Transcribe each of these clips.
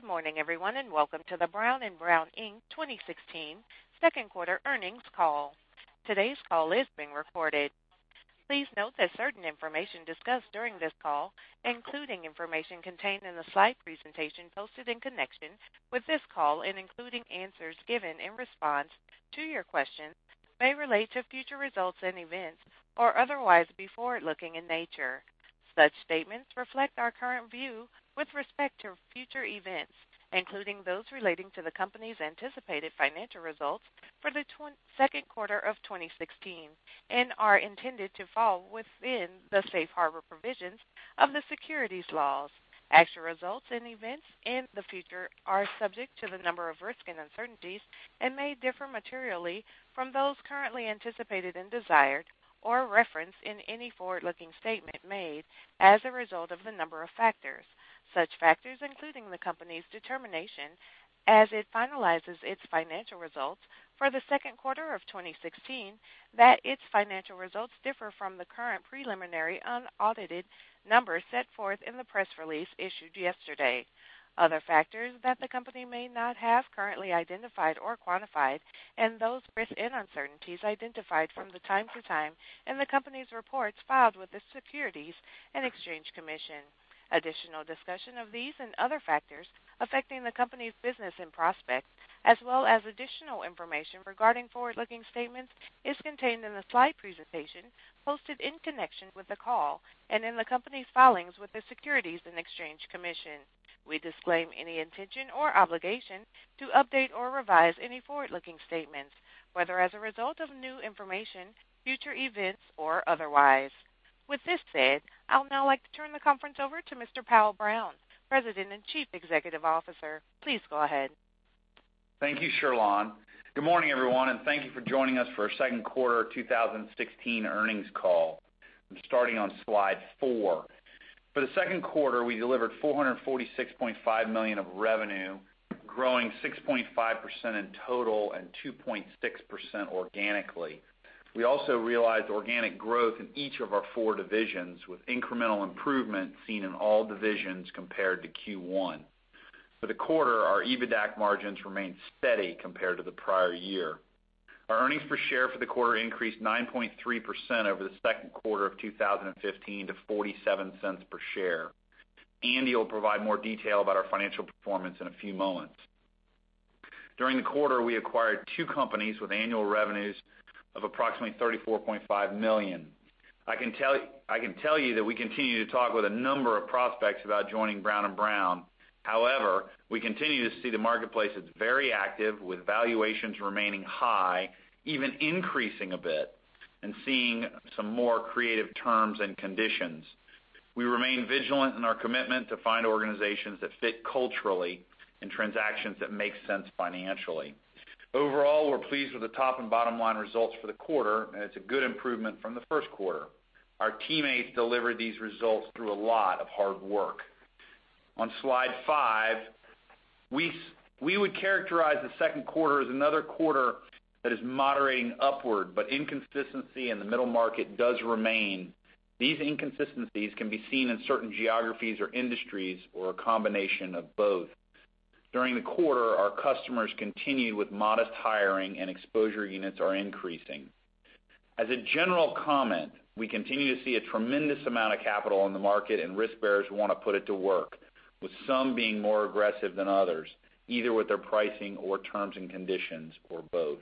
Good morning, everyone, and welcome to the Brown & Brown, Inc. 2016 second quarter earnings call. Today's call is being recorded. Please note that certain information discussed during this call, including information contained in the slide presentation posted in connection with this call and including answers given in response to your questions, may relate to future results and events or otherwise be forward-looking in nature. Such statements reflect our current view with respect to future events, including those relating to the company's anticipated financial results for the second quarter of 2016, and are intended to fall within the safe harbor provisions of the securities laws. Actual results and events in the future are subject to a number of risks and uncertainties and may differ materially from those currently anticipated and desired or referenced in any forward-looking statement made as a result of a number of factors. Such factors including the company's determination as it finalizes its financial results for the second quarter of 2016 that its financial results differ from the current preliminary unaudited numbers set forth in the press release issued yesterday. Other factors that the company may not have currently identified or quantified, and those risks and uncertainties identified from time to time in the company's reports filed with the Securities and Exchange Commission. Additional discussion of these and other factors affecting the company's business and prospects, as well as additional information regarding forward-looking statements, is contained in the slide presentation posted in connection with the call and in the company's filings with the Securities and Exchange Commission. We disclaim any intention or obligation to update or revise any forward-looking statements, whether as a result of new information, future events, or otherwise. With this said, I'll now like to turn the conference over to Mr. Powell Brown, President and Chief Executive Officer. Please go ahead. Thank you, Shirlon. Good morning, everyone, and thank you for joining us for our second quarter 2016 earnings call. I'm starting on slide four. For the second quarter, we delivered $446.5 million of revenue, growing 6.5% in total and 2.6% organically. We also realized organic growth in each of our four divisions, with incremental improvement seen in all divisions compared to Q1. For the quarter, our EBITDA margins remained steady compared to the prior year. Our earnings per share for the quarter increased 9.3% over the second quarter of 2015 to $0.47 per share. Andy will provide more detail about our financial performance in a few moments. During the quarter, we acquired two companies with annual revenues of approximately $34.5 million. I can tell you that we continue to talk with a number of prospects about joining Brown & Brown. We continue to see the marketplace as very active, with valuations remaining high, even increasing a bit, and seeing some more creative terms and conditions. We remain vigilant in our commitment to find organizations that fit culturally and transactions that make sense financially. Overall, we're pleased with the top and bottom line results for the quarter, and it's a good improvement from the first quarter. Our teammates delivered these results through a lot of hard work. On slide five, we would characterize the second quarter as another quarter that is moderating upward, but inconsistency in the middle market does remain. These inconsistencies can be seen in certain geographies or industries, or a combination of both. During the quarter, our customers continued with modest hiring, and exposure units are increasing. As a general comment, we continue to see a tremendous amount of capital in the market, and risk bearers want to put it to work, with some being more aggressive than others, either with their pricing or terms and conditions, or both.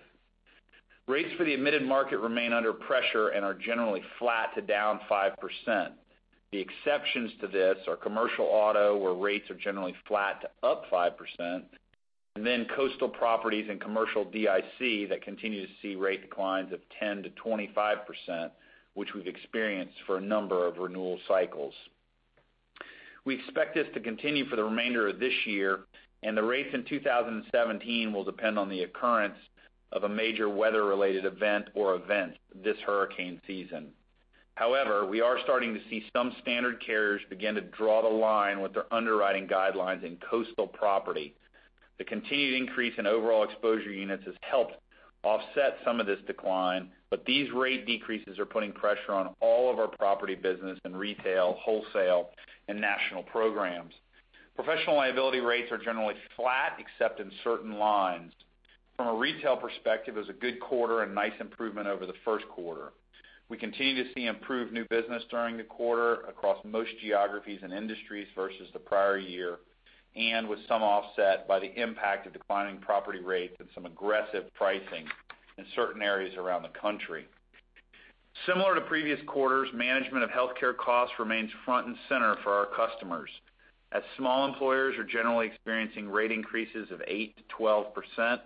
Rates for the admitted market remain under pressure and are generally flat to down 5%. The exceptions to this are commercial auto, where rates are generally flat to up 5%, and then coastal properties and commercial DIC that continue to see rate declines of 10%-25%, which we've experienced for a number of renewal cycles. We expect this to continue for the remainder of this year, and the rates in 2017 will depend on the occurrence of a major weather related event or events this hurricane season. We are starting to see some standard carriers begin to draw the line with their underwriting guidelines in coastal property. The continued increase in overall exposure units has helped offset some of this decline, but these rate decreases are putting pressure on all of our property business in retail, wholesale, and national programs. Professional liability rates are generally flat, except in certain lines. From a retail perspective, it was a good quarter and nice improvement over the first quarter. We continue to see improved new business during the quarter across most geographies and industries versus the prior year, and with some offset by the impact of declining property rates and some aggressive pricing in certain areas around the country. Similar to previous quarters, management of healthcare costs remains front and center for our customers, as small employers are generally experiencing rate increases of 8%-12%,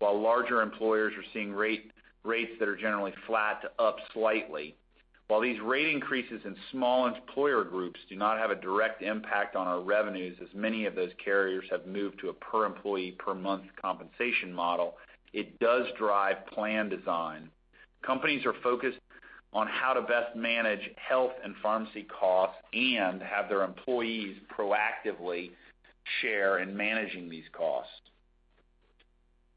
while larger employers are seeing rates that are generally flat to up slightly. While these rate increases in small employer groups do not have a direct impact on our revenues, as many of those carriers have moved to a per employee per month compensation model, it does drive plan design. Companies are focused on how to best manage health and pharmacy costs and have their employees proactively share in managing these costs.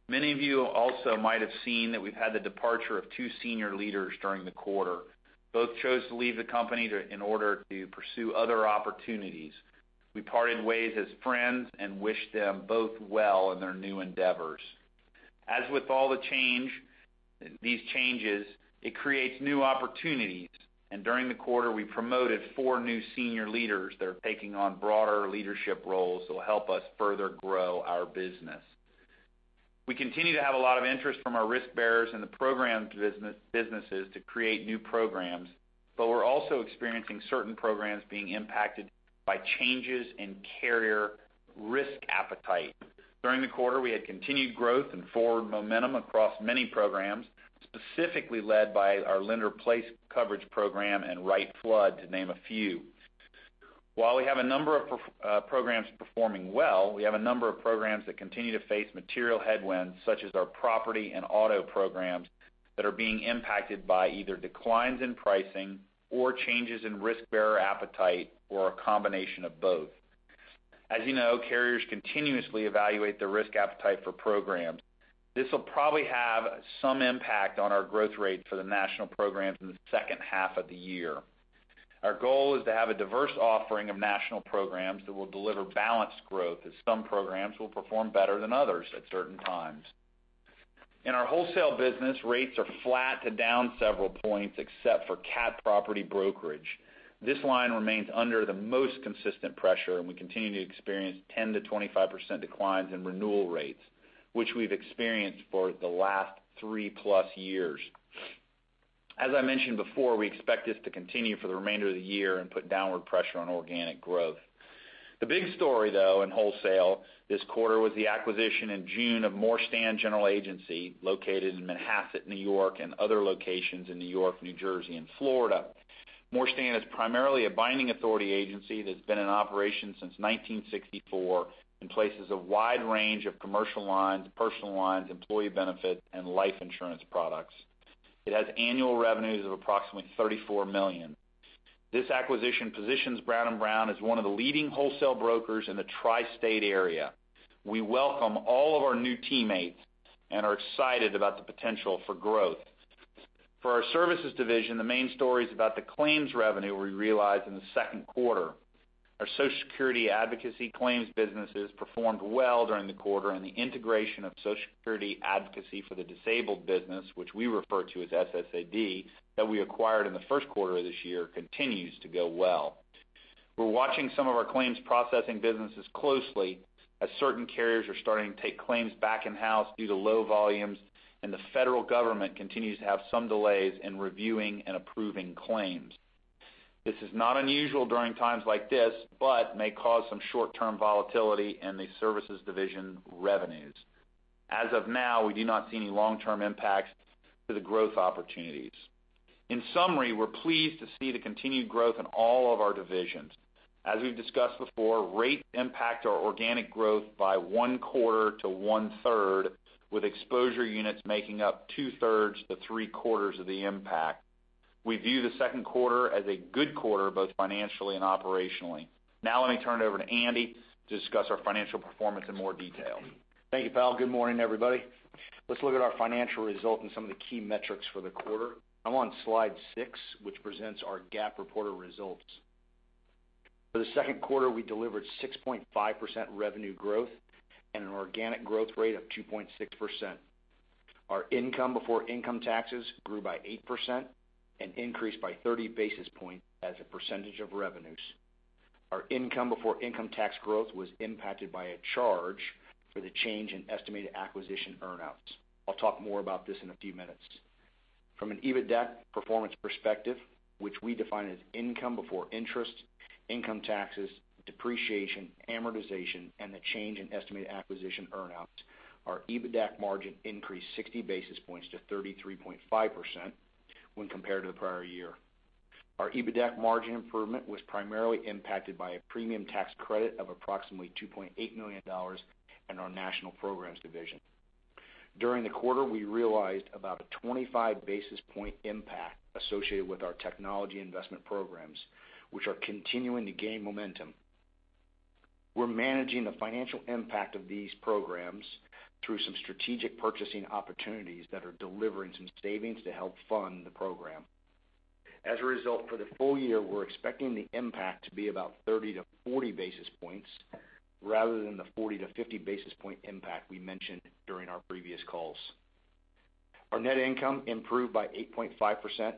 Many of you also might have seen that we've had the departure of two senior leaders during the quarter. Both chose to leave the company in order to pursue other opportunities. We parted ways as friends and wish them both well in their new endeavors. As with all these changes, it creates new opportunities, and during the quarter, we promoted four new senior leaders that are taking on broader leadership roles that will help us further grow our business. We continue to have a lot of interest from our risk bearers in the programs businesses to create new programs, but we're also experiencing certain programs being impacted by changes in carrier risk appetite. During the quarter, we had continued growth and forward momentum across many programs, specifically led by our Lender-Placed Coverage program and Wright Flood, to name a few. While we have a number of programs performing well, we have a number of programs that continue to face material headwinds, such as our property and auto programs that are being impacted by either declines in pricing or changes in risk-bearer appetite, or a combination of both. As you know, carriers continuously evaluate the risk appetite for programs. This will probably have some impact on our growth rate for the national programs in the second half of the year. Our goal is to have a diverse offering of national programs that will deliver balanced growth, as some programs will perform better than others at certain times. In our wholesale business, rates are flat to down several points, except for cat property brokerage. This line remains under the most consistent pressure, and we continue to experience 10%-25% declines in renewal rates, which we've experienced for the last 3+ years. As I mentioned before, we expect this to continue for the remainder of the year and put downward pressure on organic growth. The big story, though, in wholesale this quarter was the acquisition in June of Morstan General Agency, located in Manhasset, N.Y., and other locations in N.Y., New Jersey, and Florida. Morstan is primarily a binding authority agency that's been in operation since 1964 and places a wide range of commercial lines, personal lines, employee benefit, and life insurance products. It has annual revenues of approximately $34 million. This acquisition positions Brown & Brown as one of the leading wholesale brokers in the tri-state area. We welcome all of our new teammates and are excited about the potential for growth. For our services division, the main story is about the claims revenue we realized in the second quarter. Our Social Security advocacy claims businesses performed well during the quarter, and the integration of Social Security advocacy for the disabled business, which we refer to as SSAD, that we acquired in the first quarter of this year, continues to go well. We're watching some of our claims processing businesses closely as certain carriers are starting to take claims back in-house due to low volumes, and the federal government continues to have some delays in reviewing and approving claims. This is not unusual during times like this, but may cause some short-term volatility in the services division revenues. As of now, we do not see any long-term impacts to the growth opportunities. In summary, we're pleased to see the continued growth in all of our divisions. As we've discussed before, rates impact our organic growth by one-quarter to one-third, with exposure units making up two-thirds to three-quarters of the impact. We view the second quarter as a good quarter, both financially and operationally. Let me turn it over to Andy to discuss our financial performance in more detail. Thank you, Powell. Good morning, everybody. Let's look at our financial results and some of the key metrics for the quarter. I'm on slide six, which presents our GAAP reported results. For the second quarter, we delivered 6.5% revenue growth and an organic growth rate of 2.6%. Our income before income taxes grew by 8% and increased by 30 basis points as a percentage of revenues. Our income before income tax growth was impacted by a charge for the change in estimated acquisition earn-outs. I'll talk more about this in a few minutes. From an EBITDAC performance perspective, which we define as income before interest, income taxes, depreciation, amortization, and the change in estimated acquisition earn-outs, our EBITDAC margin increased 60 basis points to 33.5% when compared to the prior year. Our EBITDAC margin improvement was primarily impacted by a premium tax credit of approximately $2.8 million in our national programs division. During the quarter, we realized about a 25 basis point impact associated with our technology investment programs, which are continuing to gain momentum. We're managing the financial impact of these programs through some strategic purchasing opportunities that are delivering some savings to help fund the program. As a result, for the full year, we're expecting the impact to be about 30 to 40 basis points rather than the 40 to 50 basis point impact we mentioned during our previous calls. Our net income improved by 8.5%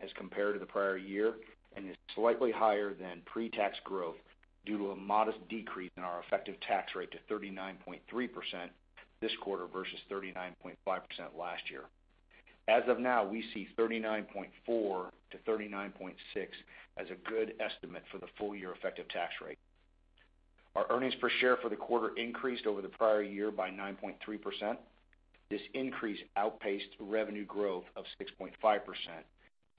as compared to the prior year and is slightly higher than pre-tax growth due to a modest decrease in our effective tax rate to 39.3% this quarter versus 39.5% last year. As of now, we see 39.4% to 39.6% as a good estimate for the full-year effective tax rate. Our earnings per share for the quarter increased over the prior year by 9.3%. This increase outpaced revenue growth of 6.5%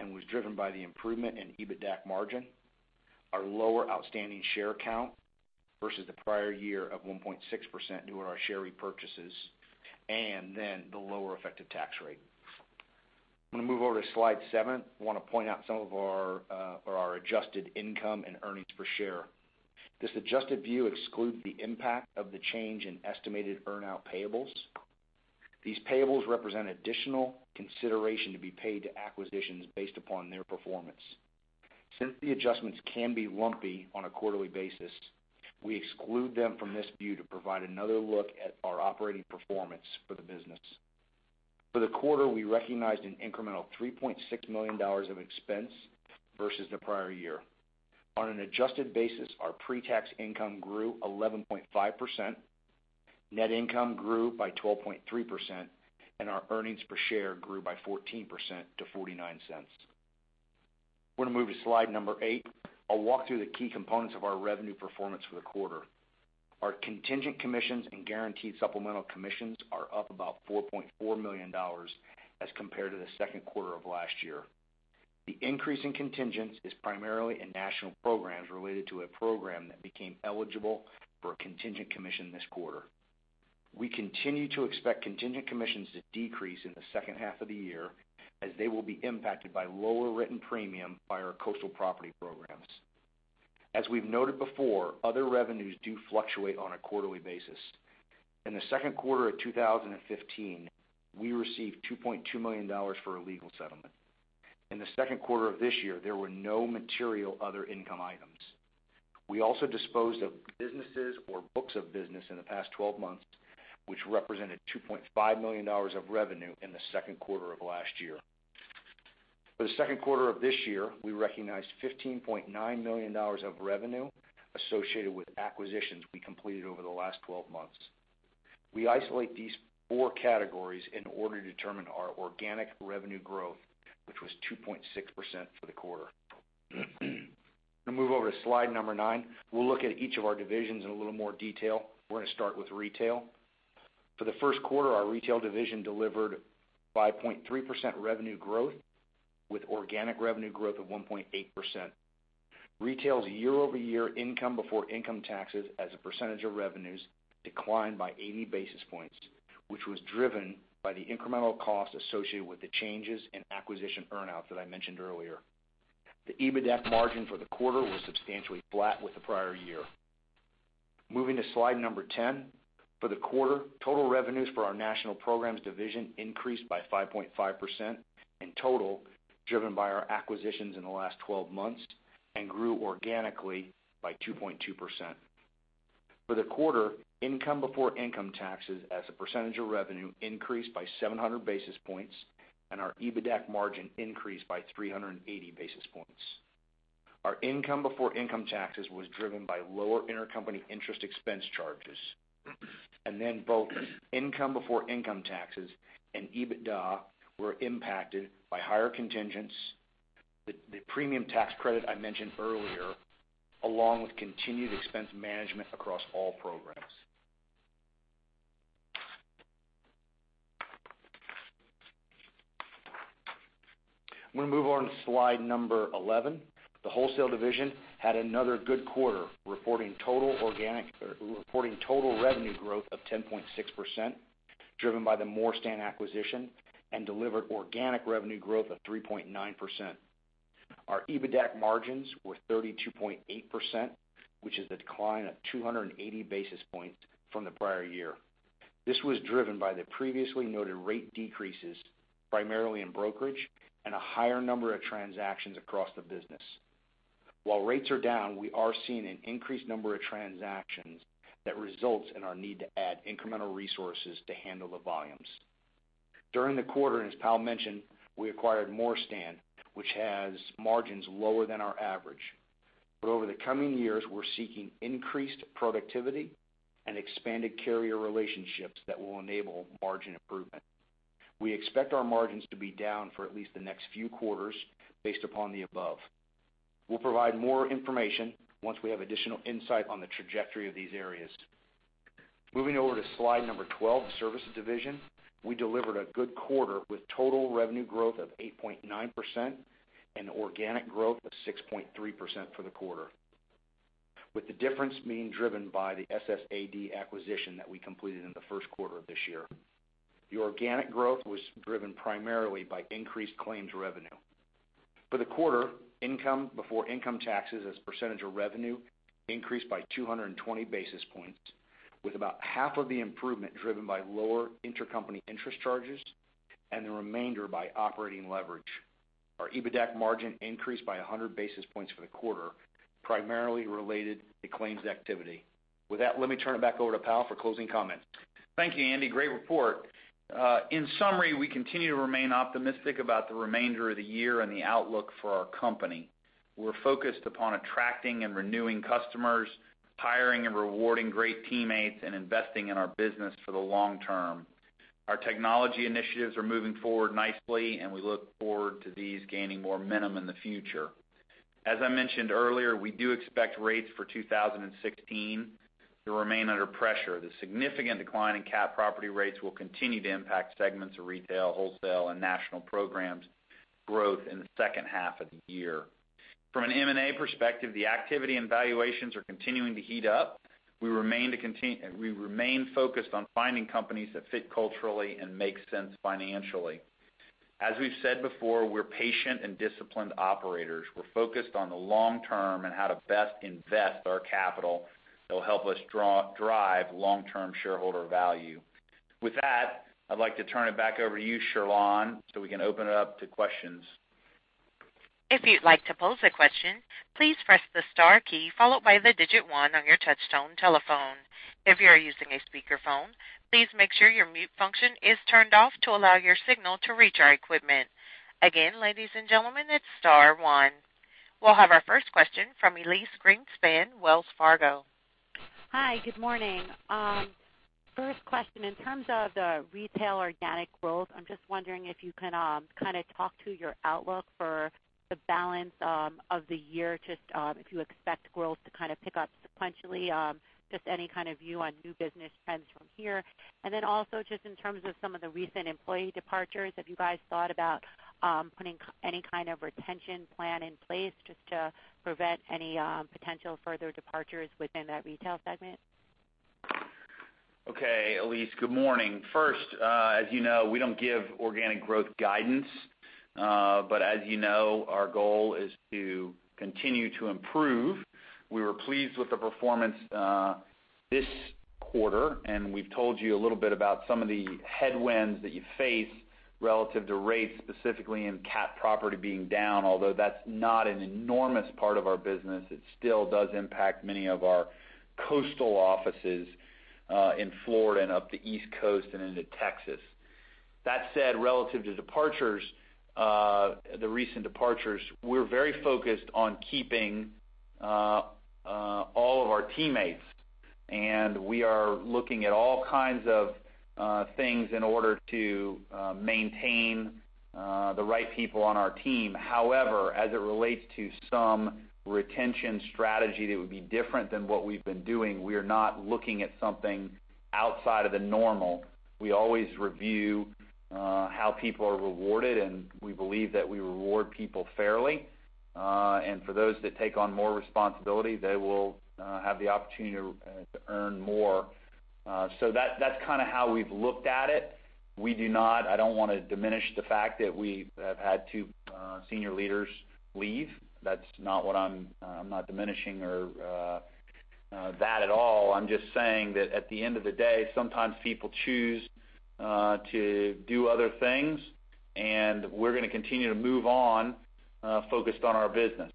and was driven by the improvement in EBITDAC margin, our lower outstanding share count versus the prior year of 1.6% due to our share repurchases, and then the lower effective tax rate. I'm going to move over to slide seven. I want to point out some of our adjusted income and earnings per share. This adjusted view excludes the impact of the change in estimated earn-out payables. These payables represent additional consideration to be paid to acquisitions based upon their performance. Since the adjustments can be lumpy on a quarterly basis, we exclude them from this view to provide another look at our operating performance for the business. For the quarter, we recognized an incremental $3.6 million of expense versus the prior year. On an adjusted basis, our pre-tax income grew 11.5%, net income grew by 12.3%, and our earnings per share grew by 14% to $0.49. I'm going to move to slide number eight. I'll walk through the key components of our revenue performance for the quarter. Our contingent commissions and guaranteed supplemental commissions are up about $4.4 million as compared to the second quarter of last year. The increase in contingents is primarily in national programs related to a program that became eligible for a contingent commission this quarter. We continue to expect contingent commissions to decrease in the second half of the year, as they will be impacted by lower written premium by our coastal property programs. As we've noted before, other revenues do fluctuate on a quarterly basis. In the second quarter of 2015, we received $2.2 million for a legal settlement. In the second quarter of this year, there were no material other income items. We also disposed of businesses or books of business in the past 12 months, which represented $2.5 million of revenue in the second quarter of last year. For the second quarter of this year, we recognized $15.9 million of revenue associated with acquisitions we completed over the last 12 months. We isolate these four categories in order to determine our organic revenue growth, which was 2.6% for the quarter. Move over to slide number nine. We'll look at each of our divisions in a little more detail. We're going to start with retail. For the first quarter, our retail division delivered 5.3% revenue growth with organic revenue growth of 1.8%. Retail's year-over-year income before income taxes as a percentage of revenues declined by 80 basis points, which was driven by the incremental cost associated with the changes in acquisition earn-out that I mentioned earlier. The EBITDAC margin for the quarter was substantially flat with the prior year. Moving to slide number 10. For the quarter, total revenues for our national programs division increased by 5.5% in total, driven by our acquisitions in the last 12 months, and grew organically by 2.2%. For the quarter, income before income taxes as a percentage of revenue increased by 700 basis points, and our EBITDAC margin increased by 380 basis points. Our income before income taxes was driven by lower intercompany interest expense charges. Both income before income taxes and EBITDA were impacted by higher contingents, the premium tax credit I mentioned earlier, along with continued expense management across all programs. I'm going to move on to slide number 11. The wholesale division had another good quarter, reporting total revenue growth of 10.6%, driven by the Morstan acquisition, and delivered organic revenue growth of 3.9%. Our EBITDAC margins were 32.8%, which is a decline of 280 basis points from the prior year. This was driven by the previously noted rate decreases, primarily in brokerage, and a higher number of transactions across the business. While rates are down, we are seeing an increased number of transactions that results in our need to add incremental resources to handle the volumes. During the quarter, as Powell mentioned, we acquired Morstan, which has margins lower than our average. Over the coming years, we're seeking increased productivity and expanded carrier relationships that will enable margin improvement. We expect our margins to be down for at least the next few quarters based upon the above. We'll provide more information once we have additional insight on the trajectory of these areas. Moving over to slide number 12, the services division. We delivered a good quarter with total revenue growth of 8.9% and organic growth of 6.3% for the quarter, with the difference being driven by the SSAD acquisition that we completed in the first quarter of this year. The organic growth was driven primarily by increased claims revenue. For the quarter, income before income taxes as a percentage of revenue increased by 220 basis points, with about half of the improvement driven by lower intercompany interest charges and the remainder by operating leverage. Our EBITDAC margin increased by 100 basis points for the quarter, primarily related to claims activity. With that, let me turn it back over to Powell for closing comments. Thank you, Andy. Great report. We continue to remain optimistic about the remainder of the year and the outlook for our company. We're focused upon attracting and renewing customers, hiring and rewarding great teammates, investing in our business for the long term. Our technology initiatives are moving forward nicely, we look forward to these gaining more momentum in the future. As I mentioned earlier, we do expect rates for 2016 to remain under pressure. The significant decline in cat property rates will continue to impact segments of retail, wholesale, and national programs growth in the second half of the year. From an M&A perspective, the activity and valuations are continuing to heat up. We remain focused on finding companies that fit culturally and make sense financially. As we've said before, we're patient and disciplined operators. We're focused on the long term and how to best invest our capital that will help us drive long-term shareholder value. With that, I'd like to turn it back over to you, Shirlon, we can open it up to questions. If you'd like to pose a question, please press the star key followed by the digit 1 on your touch tone telephone. If you are using a speakerphone, please make sure your mute function is turned off to allow your signal to reach our equipment. Again, ladies and gentlemen, it's star one. We'll have our first question from Elyse Greenspan, Wells Fargo. Hi, good morning. First question, in terms of the retail organic growth, I'm just wondering if you can kind of talk to your outlook for the balance of the year, just if you expect growth to kind of pick up sequentially, just any kind of view on new business trends from here. Also just in terms of some of the recent employee departures, have you guys thought about putting any kind of retention plan in place just to prevent any potential further departures within that retail segment? Okay, Elyse, good morning. First, as you know, we don't give organic growth guidance. As you know, our goal is to continue to improve. We were pleased with the performance this quarter, and we've told you a little bit about some of the headwinds that you face relative to rates, specifically in cat property being down, although that's not an enormous part of our business, it still does impact many of our coastal offices in Florida and up the East Coast and into Texas. That said, relative to the recent departures, we're very focused on keeping all of our teammates, and we are looking at all kinds of things in order to maintain the right people on our team. However, as it relates to some retention strategy that would be different than what we've been doing, we are not looking at something outside of the normal. We always review how people are rewarded, and we believe that we reward people fairly. For those that take on more responsibility, they will have the opportunity to earn more. That's kind of how we've looked at it. I don't want to diminish the fact that we have had two senior leaders leave. I'm not diminishing that at all. I'm just saying that at the end of the day, sometimes people choose to do other things, and we're going to continue to move on, focused on our business.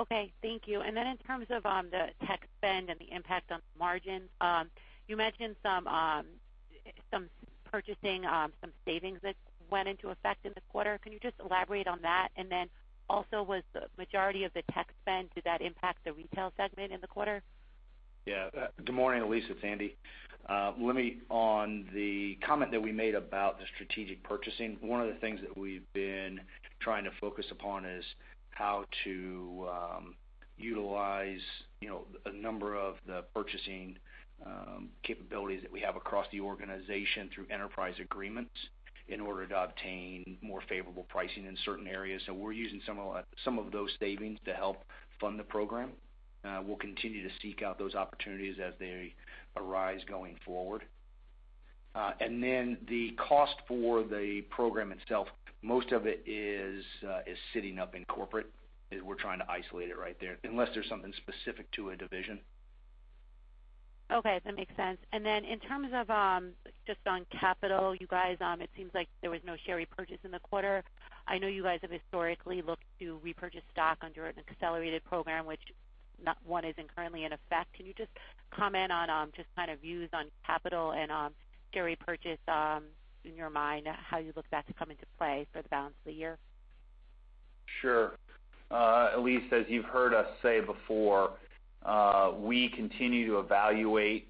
Okay, thank you. In terms of the tech spend and the impact on the margin, you mentioned some purchasing, some savings that went into effect in the quarter. Can you just elaborate on that? With the majority of the tech spend, did that impact the retail segment in the quarter? Good morning, Elyse, it's Andy. On the comment that we made about the strategic purchasing, one of the things that we've been trying to focus upon is how to utilize a number of the purchasing capabilities that we have across the organization through enterprise agreements in order to obtain more favorable pricing in certain areas. We're using some of those savings to help fund the program. We'll continue to seek out those opportunities as they arise going forward. The cost for the program itself, most of it is sitting up in Corporate. We're trying to isolate it right there, unless there's something specific to a division. Okay, that makes sense. In terms of, just on capital, you guys, it seems like there was no share repurchase in the quarter. I know you guys have historically looked to repurchase stock under an accelerated program, which one isn't currently in effect. Can you just comment on just kind of views on capital and share repurchase, in your mind, how you look that to come into play for the balance of the year? Sure. Elyse, as you've heard us say before, we continue to evaluate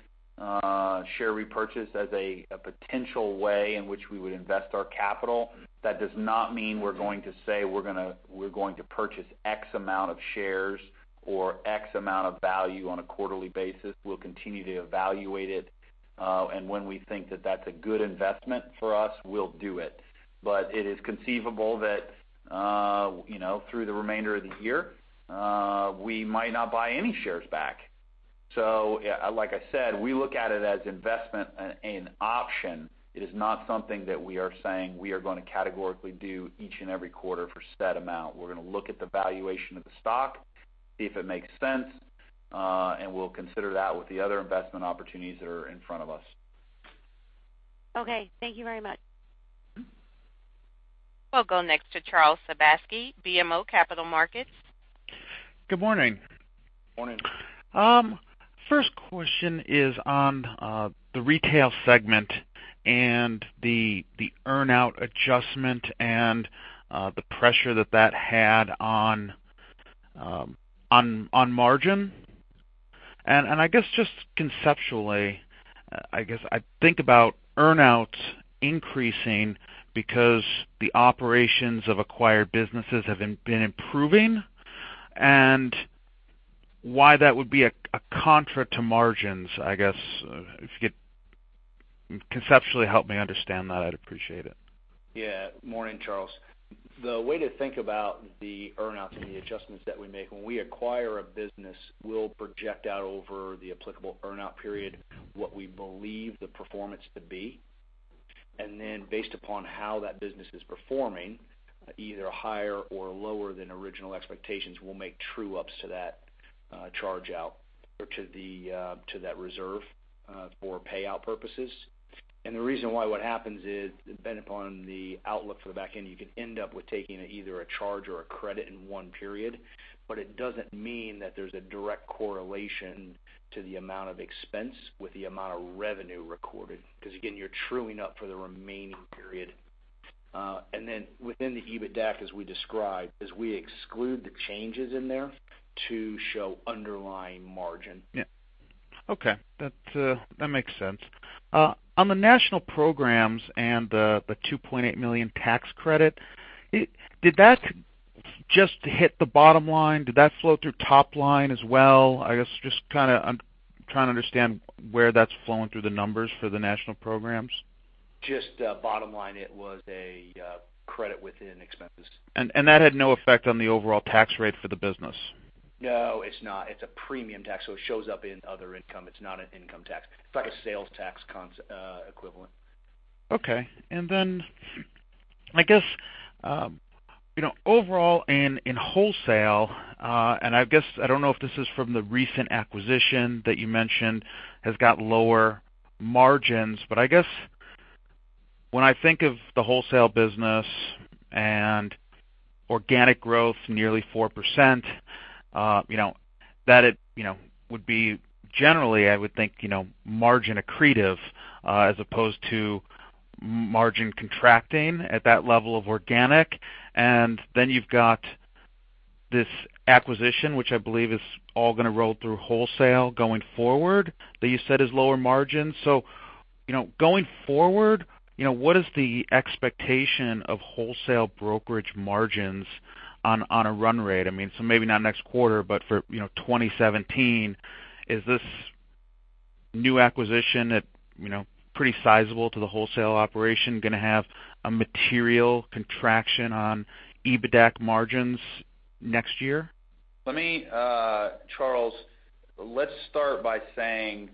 share repurchase as a potential way in which we would invest our capital. That does not mean we're going to say we're going to purchase X amount of shares or X amount of value on a quarterly basis. We'll continue to evaluate it, and when we think that that's a good investment for us, we'll do it. It is conceivable that through the remainder of the year, we might not buy any shares back. Like I said, we look at it as investment, an option. It is not something that we are saying we are going to categorically do each and every quarter for a set amount. We're going to look at the valuation of the stock, see if it makes sense, and we'll consider that with the other investment opportunities that are in front of us. Okay. Thank you very much. We'll go next to Charles Sebaski, BMO Capital Markets. Good morning. Morning. First question is on the retail segment and the earn-out adjustment and the pressure that that had on margin. I guess just conceptually, I guess I think about earn-outs increasing because the operations of acquired businesses have been improving, and Why that would be a contra to margins, I guess, if you could conceptually help me understand that, I'd appreciate it. Morning, Charles. The way to think about the earn-outs and the adjustments that we make, when we acquire a business, we'll project out over the applicable earn-out period what we believe the performance to be. Based upon how that business is performing, either higher or lower than original expectations, we'll make true-ups to that charge out or to that reserve for payout purposes. The reason why what happens is dependent upon the outlook for the back end, you can end up with taking either a charge or a credit in one period, but it doesn't mean that there's a direct correlation to the amount of expense with the amount of revenue recorded. You're truing up for the remaining period. Within the EBITDAC, as we described, is we exclude the changes in there to show underlying margin. Yeah. Okay. That makes sense. On the national programs and the $2.8 million tax credit, did that just hit the bottom line? Did that flow through top line as well? I guess I'm trying to understand where that's flowing through the numbers for the national programs. Just bottom line, it was a credit within expenses. That had no effect on the overall tax rate for the business? No, it's not. It's a premium tax. It shows up in other income. It's not an income tax. It's like a sales tax equivalent. Okay. I guess, overall in wholesale, I guess, I don't know if this is from the recent acquisition that you mentioned has got lower margins. I guess when I think of the wholesale business and organic growth nearly 4%, that would be generally, I would think, margin accretive, as opposed to margin contracting at that level of organic. You've got this acquisition, which I believe is all going to roll through wholesale going forward, that you said is lower margin. Going forward, what is the expectation of wholesale brokerage margins on a run rate? I mean, maybe not next quarter, but for 2017, is this new acquisition at pretty sizable to the wholesale operation going to have a material contraction on EBITDAC margins next year? Charles, let's start by saying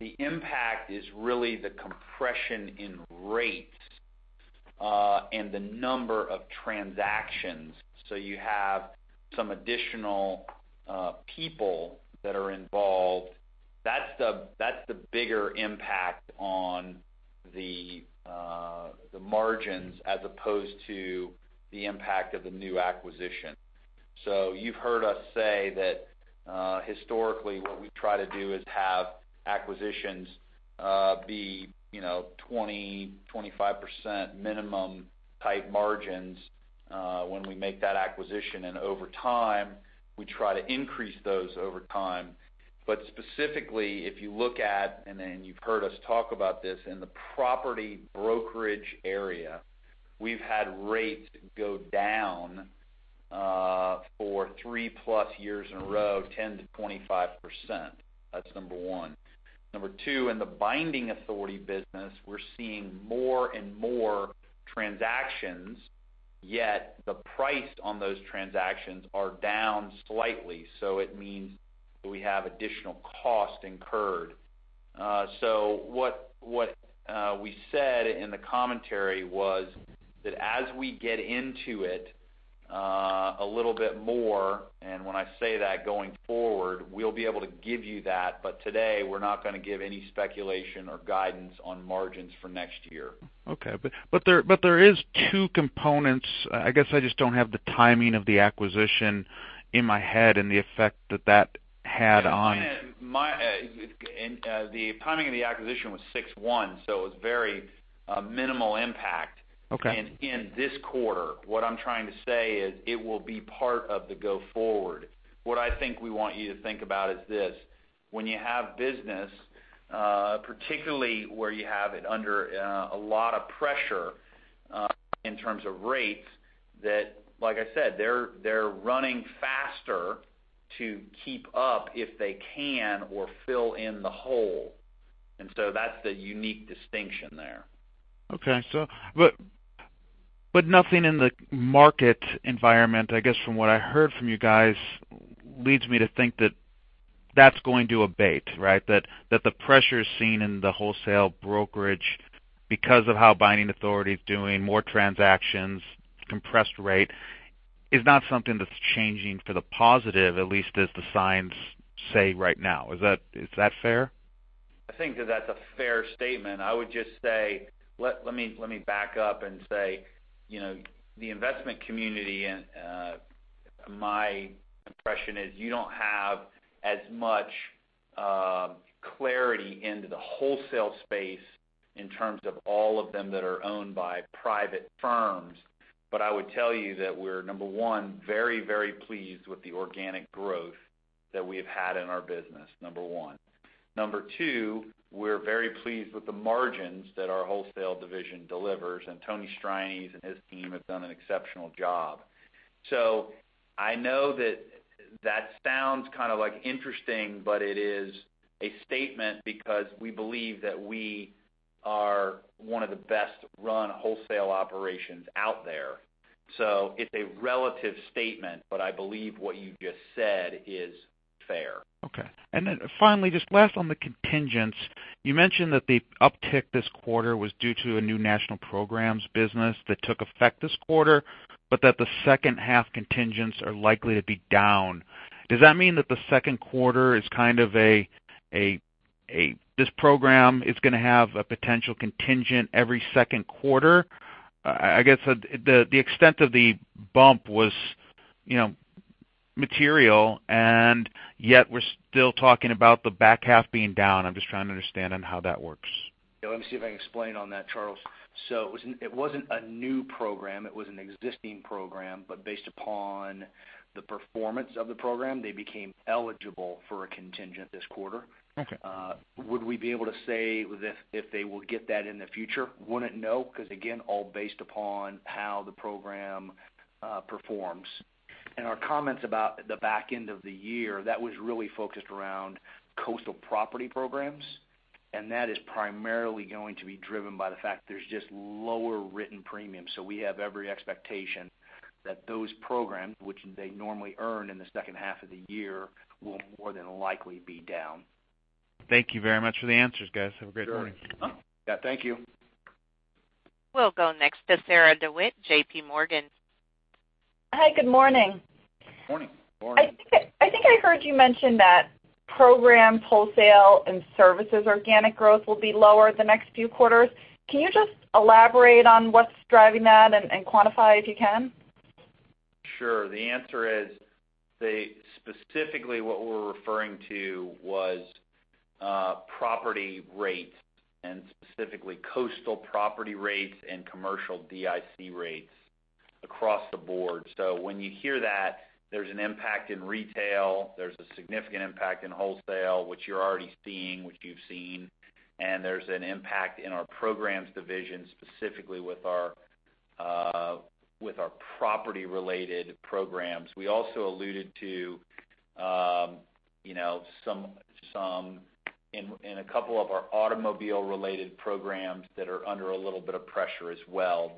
the impact is really the compression in rates, and the number of transactions. You have some additional people that are involved. That's the bigger impact on the margins as opposed to the impact of the new acquisition. You've heard us say that historically, what we try to do is have acquisitions be 20%-25% minimum type margins when we make that acquisition, and over time, we try to increase those over time. Specifically, if you look at, you've heard us talk about this, in the property brokerage area, we've had rates go down for 3 plus years in a row, 10%-25%. That's number one. Number two, in the binding authority business, we're seeing more and more transactions, yet the price on those transactions are down slightly. It means that we have additional cost incurred. What we said in the commentary was that as we get into it a little bit more, when I say that going forward, we'll be able to give you that. Today, we're not going to give any speculation or guidance on margins for next year. Okay. There are two components. I guess I just don't have the timing of the acquisition in my head and the effect that that had. The timing of the acquisition was June 1, it was very minimal impact. Okay in this quarter. What I'm trying to say is it will be part of the go forward. What I think we want you to think about is this, when you have business, particularly where you have it under a lot of pressure in terms of rates, that, like I said, they're running faster to keep up if they can or fill in the hole. That's the unique distinction there. Okay. Nothing in the market environment, I guess from what I heard from you guys, leads me to think that that's going to abate, right? That the pressure seen in the wholesale brokerage because of how binding authority is doing, more transactions, compressed rate, is not something that's changing for the positive, at least as the signs say right now. Is that fair? I think that that's a fair statement. I would just say, the investment community, my impression is you don't have as much clarity into the wholesale space in terms of all of them that are owned by private firms. I would tell you that we're, number one, very, very pleased with the organic growth that we have had in our business, number one. Number two, we're very pleased with the margins that our wholesale division delivers, and Anthony Strianese and his team have done an exceptional job. I know that sounds kind of interesting, but it is a statement because we believe that we are one of the best-run wholesale operations out there. It's a relative statement, but I believe what you just said is fair. Okay. Finally, just last on the contingents, you mentioned that the uptick this quarter was due to a new national programs business that took effect this quarter, but that the second half contingents are likely to be down. Does that mean that the second quarter is kind of a, this program is going to have a potential contingent every second quarter? I guess, the extent of the bump was material, and yet we're still talking about the back half being down. I'm just trying to understand on how that works. Yeah, let me see if I can explain on that, Charles. It wasn't a new program, it was an existing program, but based upon the performance of the program, they became eligible for a contingent this quarter. Okay. Would we be able to say if they will get that in the future? Wouldn't know, because again, all based upon how the program performs. Our comments about the back end of the year, that was really focused around coastal property programs, and that is primarily going to be driven by the fact there's just lower written premiums. We have every expectation that those programs, which they normally earn in the second half of the year, will more than likely be down. Thank you very much for the answers, guys. Have a great morning. Sure. Yeah, thank you. We'll go next to Sarah DeWitt, J.P. Morgan. Hi, good morning. Morning. Morning. I think I heard you mention that program wholesale and services organic growth will be lower the next few quarters. Can you just elaborate on what's driving that and quantify it if you can? Sure. The answer is, specifically what we were referring to was property rates, and specifically coastal property rates and commercial DIC rates across the board. When you hear that, there's an impact in retail, there's a significant impact in wholesale, which you're already seeing, which you've seen, and there's an impact in our programs division, specifically with our property-related programs. We also alluded to some, in a couple of our automobile-related programs that are under a little bit of pressure as well.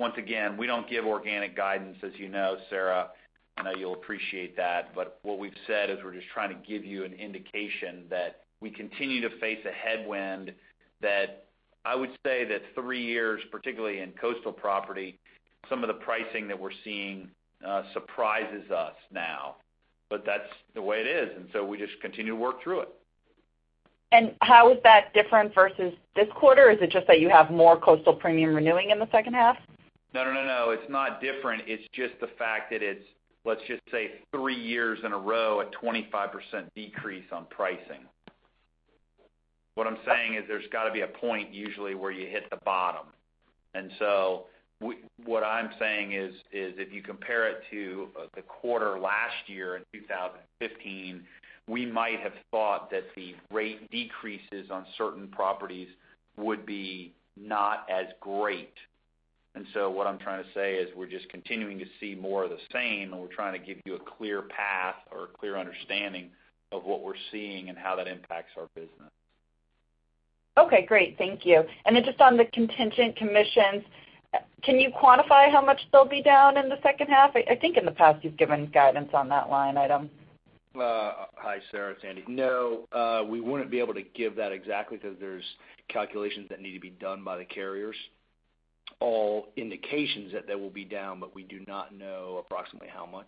Once again, we don't give organic guidance, as you know, Sarah, I know you'll appreciate that. What we've said is we're just trying to give you an indication that we continue to face a headwind that I would say that three years, particularly in coastal property, some of the pricing that we're seeing surprises us now. That's the way it is. We just continue to work through it. How is that different versus this quarter? Is it just that you have more coastal premium renewing in the second half? No, it's not different. It's just the fact that it's, let's just say, three years in a row, a 25% decrease on pricing. What I'm saying is there's got to be a point usually where you hit the bottom. What I'm saying is, if you compare it to the quarter last year in 2015, we might have thought that the rate decreases on certain properties would be not as great. What I'm trying to say is we're just continuing to see more of the same, and we're trying to give you a clear path or a clear understanding of what we're seeing and how that impacts our business. Okay, great. Thank you. Just on the contingent commissions, can you quantify how much they'll be down in the second half? I think in the past you've given guidance on that line item. Hi, Sarah, it's Andy. No, we wouldn't be able to give that exactly because there's calculations that need to be done by the carriers. All indications that they will be down, but we do not know approximately how much.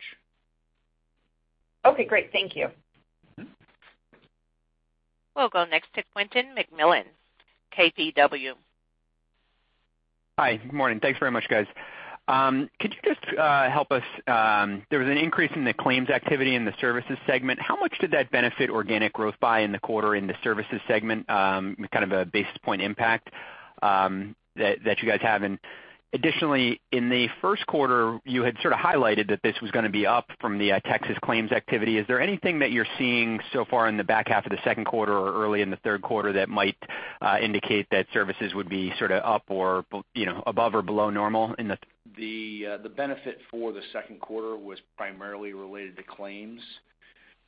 Okay, great. Thank you. We'll go next to Quentin McMillan, KBW. Hi, good morning. Thanks very much, guys. Could you just help us, there was an increase in the claims activity in the services segment. How much did that benefit organic growth by in the quarter in the services segment? In the first quarter, you had sort of highlighted that this was going to be up from the Texas claims activity. Is there anything that you're seeing so far in the back half of the second quarter or early in the third quarter that might indicate that services would be sort of up or above or below normal? The benefit for the second quarter was primarily related to claims.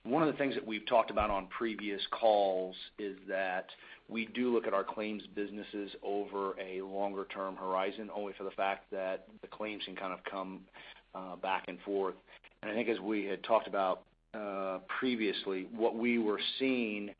One of the things that we've talked about on previous calls is that we do look at our claims businesses over a longer-term horizon, only for the fact that the claims can kind of come back and forth. I think as we had talked about previously, what we were seeing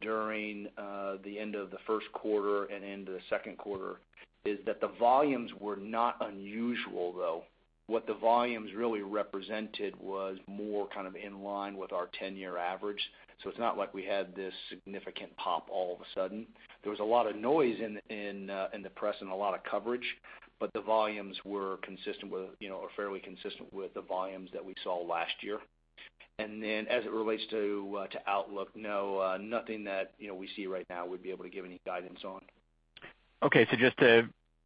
during the end of the first quarter and into the second quarter is that the volumes were not unusual, though. What the volumes really represented was more kind of in line with our 10-year average. It's not like we had this significant pop all of a sudden. There was a lot of noise in the press and a lot of coverage, the volumes were fairly consistent with the volumes that we saw last year. Then as it relates to outlook, no, nothing that we see right now we'd be able to give any guidance on. Okay. Just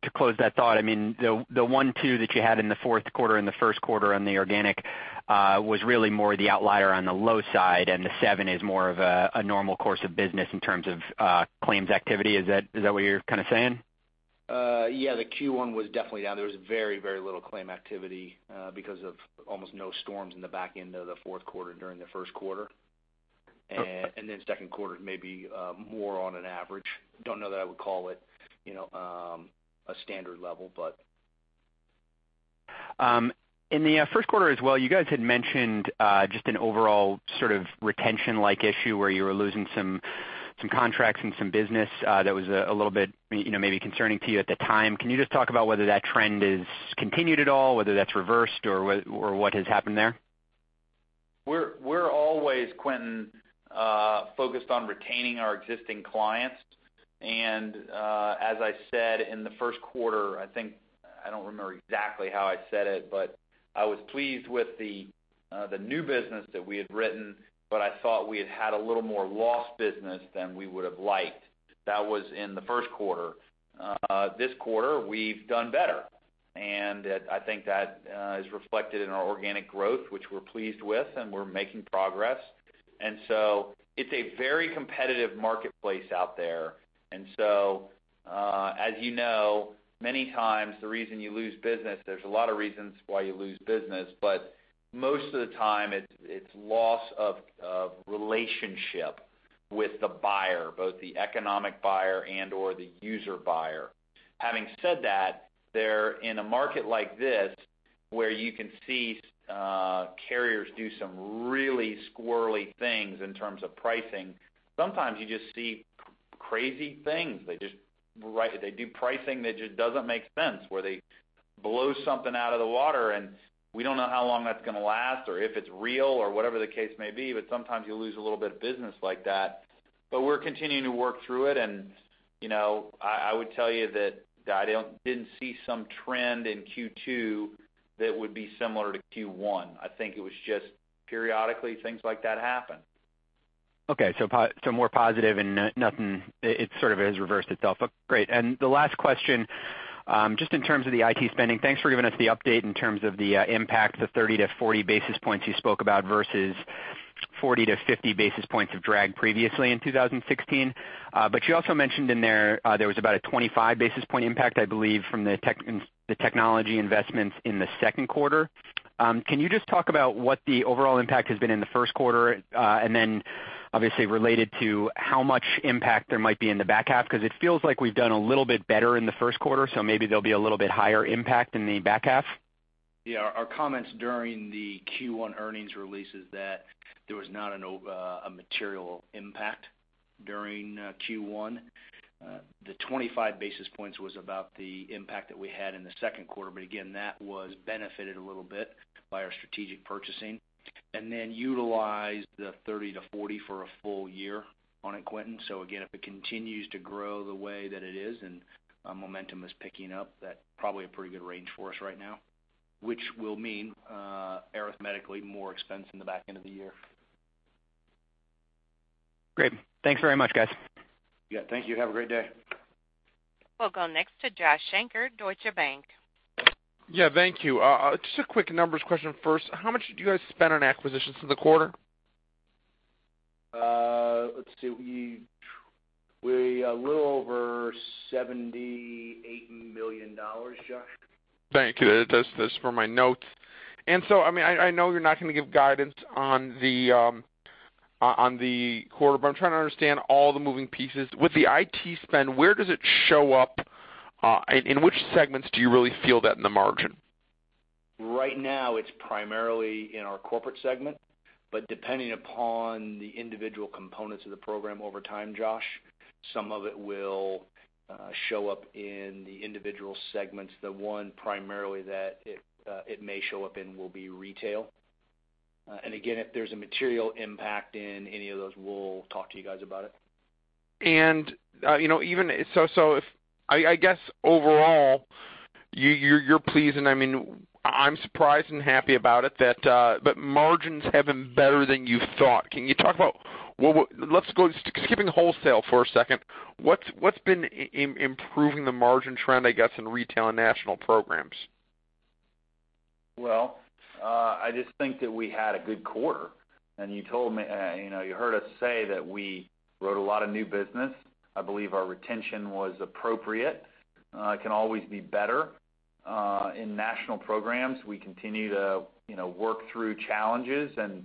to close that thought, the 1-2 that you had in the fourth quarter and the first quarter on the organic was really more the outlier on the low side, and the 7 is more of a normal course of business in terms of claims activity. Is that what you're kind of saying? Yeah, the Q1 was definitely down. There was very little claim activity because of almost no storms in the back end of the fourth quarter during the first quarter. Then second quarter, maybe more on an average. Don't know that I would call it a standard level. In the first quarter as well, you guys had mentioned just an overall sort of retention-like issue where you were losing some contracts and some business that was a little bit maybe concerning to you at the time. Can you just talk about whether that trend has continued at all, whether that's reversed, or what has happened there? We're always, Quentin, focused on retaining our existing clients. As I said in the first quarter, I don't remember exactly how I said it, but I was pleased with the new business that we had written, but I thought we had had a little more lost business than we would've liked. That was in the first quarter. This quarter, we've done better, and I think that is reflected in our organic growth, which we're pleased with, and we're making progress. It's a very competitive marketplace out there. As you know, many times the reason you lose business, there's a lot of reasons why you lose business, but most of the time it's loss of relationship with the buyer, both the economic buyer and/or the user buyer. Having said that, in a market like this, where you can see carriers do some really squirrely things in terms of pricing, sometimes you just see crazy things. They do pricing that just doesn't make sense, where they blow something out of the water, and we don't know how long that's going to last or if it's real, or whatever the case may be. Sometimes you lose a little bit of business like that. We're continuing to work through it, and I would tell you that I didn't see some trend in Q2 that would be similar to Q1. I think it was just periodically things like that happen. Okay. More positive and it sort of has reversed itself. Great. The last question, just in terms of the IT spending, thanks for giving us the update in terms of the impact, the 30-40 basis points you spoke about versus 40-50 basis points of drag previously in 2016. You also mentioned in there was about a 25 basis point impact, I believe, from the technology investments in the second quarter. Can you just talk about what the overall impact has been in the first quarter? Then obviously related to how much impact there might be in the back half, because it feels like we've done a little bit better in the first quarter, maybe there'll be a little bit higher impact in the back half. Yeah. Our comments during the Q1 earnings release is that there was not a material impact during Q1. The 25 basis points was about the impact that we had in the second quarter, again, that was benefited a little bit by our strategic purchasing. Then utilized the 30-40 for a full year on it, Quentin. Again, if it continues to grow the way that it is and momentum is picking up, that probably a pretty good range for us right now. Which will mean, arithmetically, more expense in the back end of the year. Great. Thanks very much, guys. Yeah. Thank you. Have a great day. We'll go next to Josh Shanker, Deutsche Bank. Yeah. Thank you. Just a quick numbers question first. How much did you guys spend on acquisitions for the quarter? Let's see, a little over $78 million, Josh. Thank you. That's for my notes. I know you're not going to give guidance on the quarter, but I'm trying to understand all the moving pieces. With the IT spend, where does it show up? In which segments do you really feel that in the margin? Right now, it's primarily in our Corporate segment, but depending upon the individual components of the program over time, Josh, some of it will show up in the individual segments. The one primarily that it may show up in will be Retail. If there's a material impact in any of those, we'll talk to you guys about it. I guess overall, you're pleased, and I'm surprised and happy about it that margins have been better than you thought. Can you talk about, skipping Wholesale for a second, what's been improving the margin trend, I guess, in Retail and National Programs? Well, I just think that we had a good quarter, and you heard us say that we wrote a lot of new business. I believe our retention was appropriate. It can always be better. In National Programs, we continue to work through challenges, and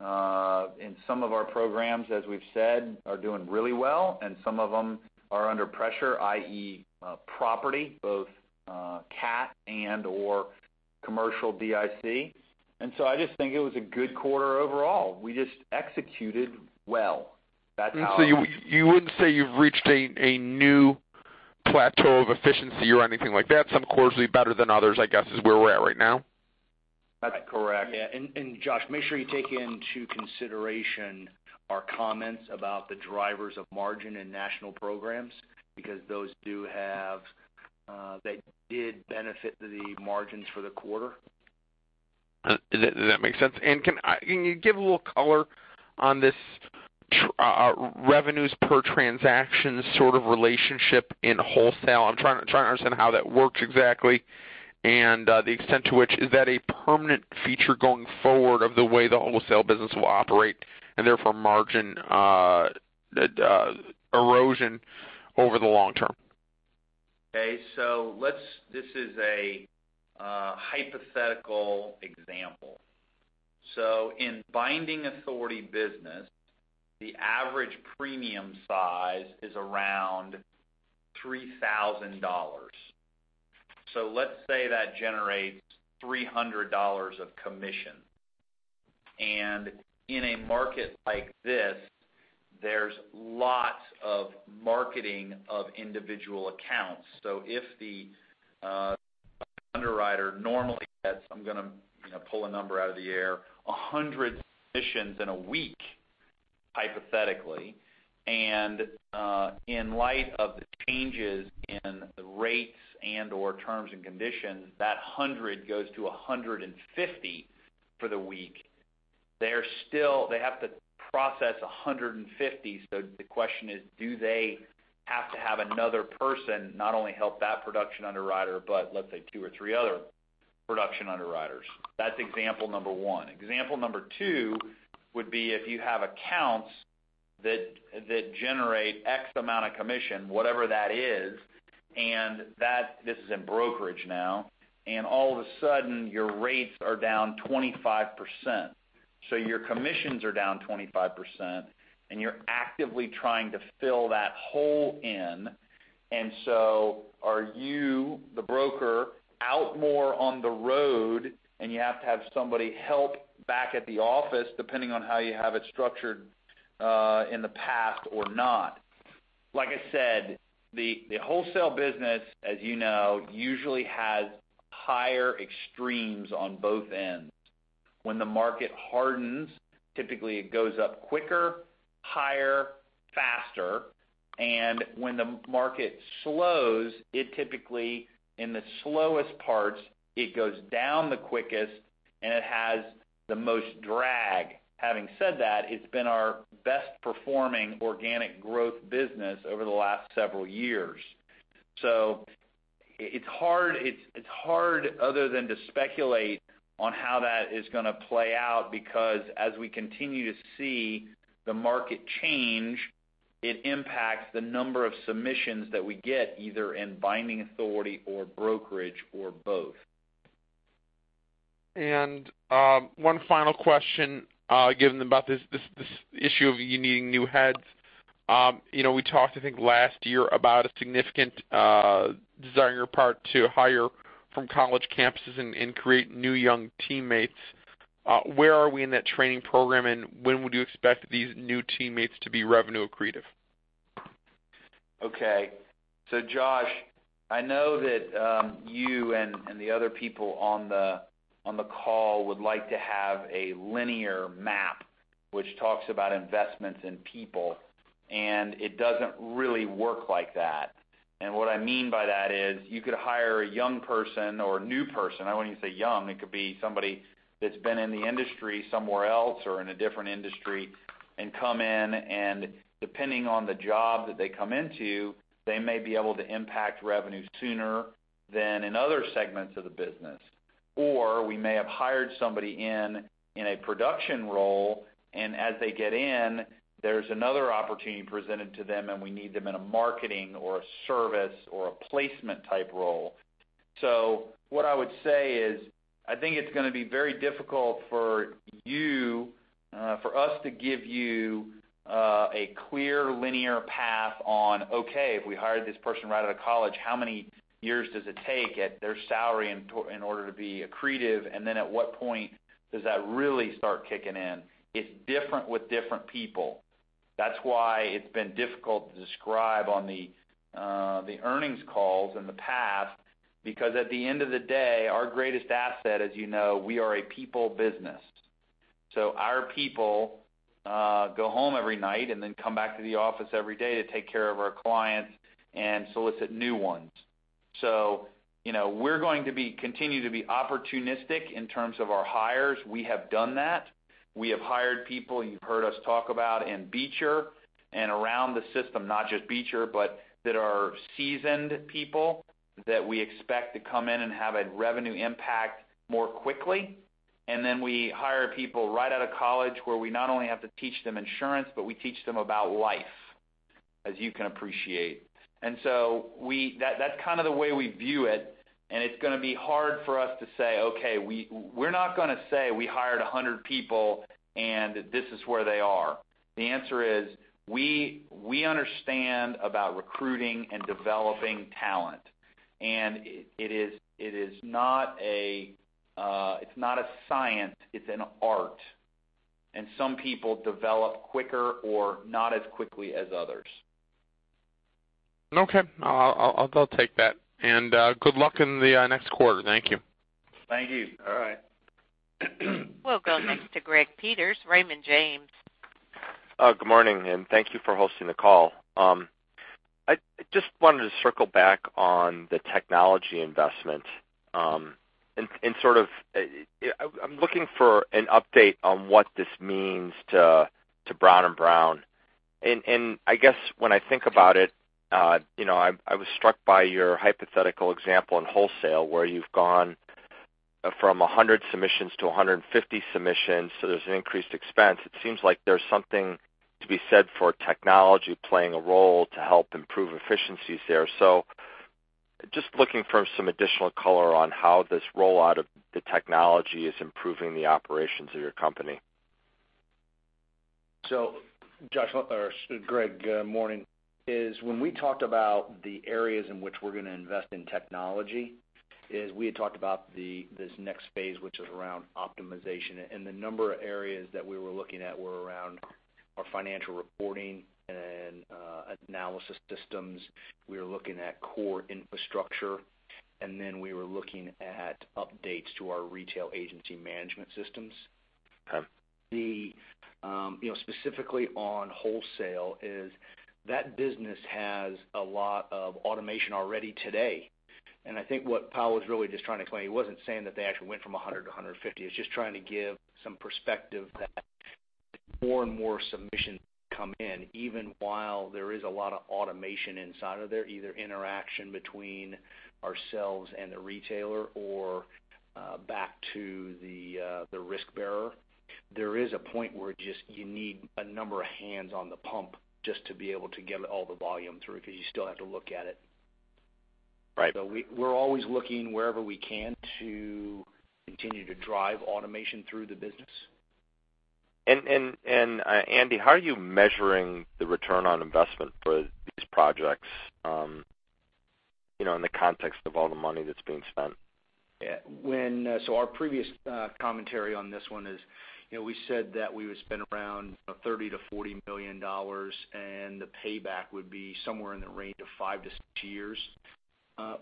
some of our programs, as we've said, are doing really well, and some of them are under pressure, i.e., property, both CAT and/or commercial DIC. I just think it was a good quarter overall. We just executed well. You wouldn't say you've reached a new plateau of efficiency or anything like that. Some quarters will be better than others, I guess, is where we're at right now. That's correct. Yeah. Josh, make sure you take into consideration our comments about the drivers of margin in National Programs, because those did benefit the margins for the quarter. Does that make sense? Can you give a little color on this revenues per transaction sort of relationship in wholesale? I'm trying to understand how that works exactly and the extent to which, is that a permanent feature going forward of the way the wholesale business will operate, and therefore margin erosion over the long term? Okay. This is a hypothetical example. In binding authority business, the average premium size is around $3,000. Let's say that generates $300 of commission. In a market like this, there's lots of marketing of individual accounts. If the underwriter normally has, I'm going to pull a number out of the air, 100 submissions in a week, hypothetically, and in light of the changes in the rates and/or terms and conditions, that 100 goes to 150 for the week. They have to process 150, the question is, do they have to have another person, not only help that production underwriter, but let's say two or three other production underwriters? That's example number 1. Example number 2 would be if you have accounts that generate X amount of commission, whatever that is, and this is in brokerage now, and all of a sudden, your rates are down 25%. Your commissions are down 25%, and you're actively trying to fill that hole in. Are you, the broker, out more on the road, and you have to have somebody help back at the office, depending on how you have it structured in the past or not? Like I said, the Wholesale business, as you know, usually has higher extremes on both ends. When the market hardens, typically it goes up quicker, higher, faster. When the market slows, it typically, in the slowest parts, it goes down the quickest, and it has the most drag. Having said that, it's been our best performing organic growth business over the last several years. It's hard other than to speculate on how that is going to play out, because as we continue to see the market change, it impacts the number of submissions that we get, either in binding authority or brokerage or both. One final question, given about this issue of you needing new heads. We talked, I think, last year about a significant desire on your part to hire from college campuses and create new young teammates. Where are we in that training program, and when would you expect these new teammates to be revenue accretive? Okay. Josh, I know that you and the other people on the call would like to have a linear map which talks about investments in people, and it doesn't really work like that. What I mean by that is you could hire a young person or a new person. I wouldn't even say young. It could be somebody that's been in the industry somewhere else or in a different industry and come in, and depending on the job that they come into, they may be able to impact revenues sooner than in other segments of the business. We may have hired somebody in a production role, and as they get in, there's another opportunity presented to them, and we need them in a marketing or a service or a placement type role. What I would say is, I think it's going to be very difficult for us to give you a clear linear path on, okay, if we hired this person right out of college, how many years does it take at their salary in order to be accretive? Then at what point does that really start kicking in? It's different with different people. That's why it's been difficult to describe on the earnings calls in the past, because at the end of the day, our greatest asset, as you know, we are a people business. Our people go home every night and then come back to the office every day to take care of our clients and solicit new ones. We're going to continue to be opportunistic in terms of our hires. We have done that. We have hired people you've heard us talk about in Beecher and around the system, not just Beecher, but that are seasoned people that we expect to come in and have a revenue impact more quickly. Then we hire people right out of college where we not only have to teach them insurance, but we teach them about life, as you can appreciate. That's kind of the way we view it, and it's going to be hard for us to say, okay, we're not going to say we hired 100 people and this is where they are. The answer is, we understand about recruiting and developing talent. It's not a science, it's an art, and some people develop quicker or not as quickly as others. Okay. I'll take that. Good luck in the next quarter. Thank you. Thank you. All right. We'll go next to Greg Peters, Raymond James. Good morning, and thank you for hosting the call. I just wanted to circle back on the technology investment. I'm looking for an update on what this means to Brown & Brown. I guess when I think about it, I was struck by your hypothetical example in wholesale, where you've gone from 100 submissions to 150 submissions, so there's an increased expense. It seems like there's something to be said for technology playing a role to help improve efficiencies there. Just looking for some additional color on how this rollout of the technology is improving the operations of your company. Greg, good morning. When we talked about the areas in which we're going to invest in technology, we had talked about this next phase, which is around optimization. The number of areas that we were looking at were around our financial reporting and analysis systems. We were looking at core infrastructure, and then we were looking at updates to our retail agency management systems. Okay. Specifically on wholesale is that business has a lot of automation already today. I think what Powell was really just trying to explain, he wasn't saying that they actually went from 100 to 150. He was just trying to give some perspective that more and more submissions come in, even while there is a lot of automation inside of there, either interaction between ourselves and the retailer or back to the risk bearer. There is a point where just you need a number of hands on the pump just to be able to get all the volume through, because you still have to look at it. Right. We're always looking wherever we can to continue to drive automation through the business. Andy, how are you measuring the return on investment for these projects, in the context of all the money that's being spent? Our previous commentary on this one is we said that we would spend around $30 million-$40 million, and the payback would be somewhere in the range of five to six years.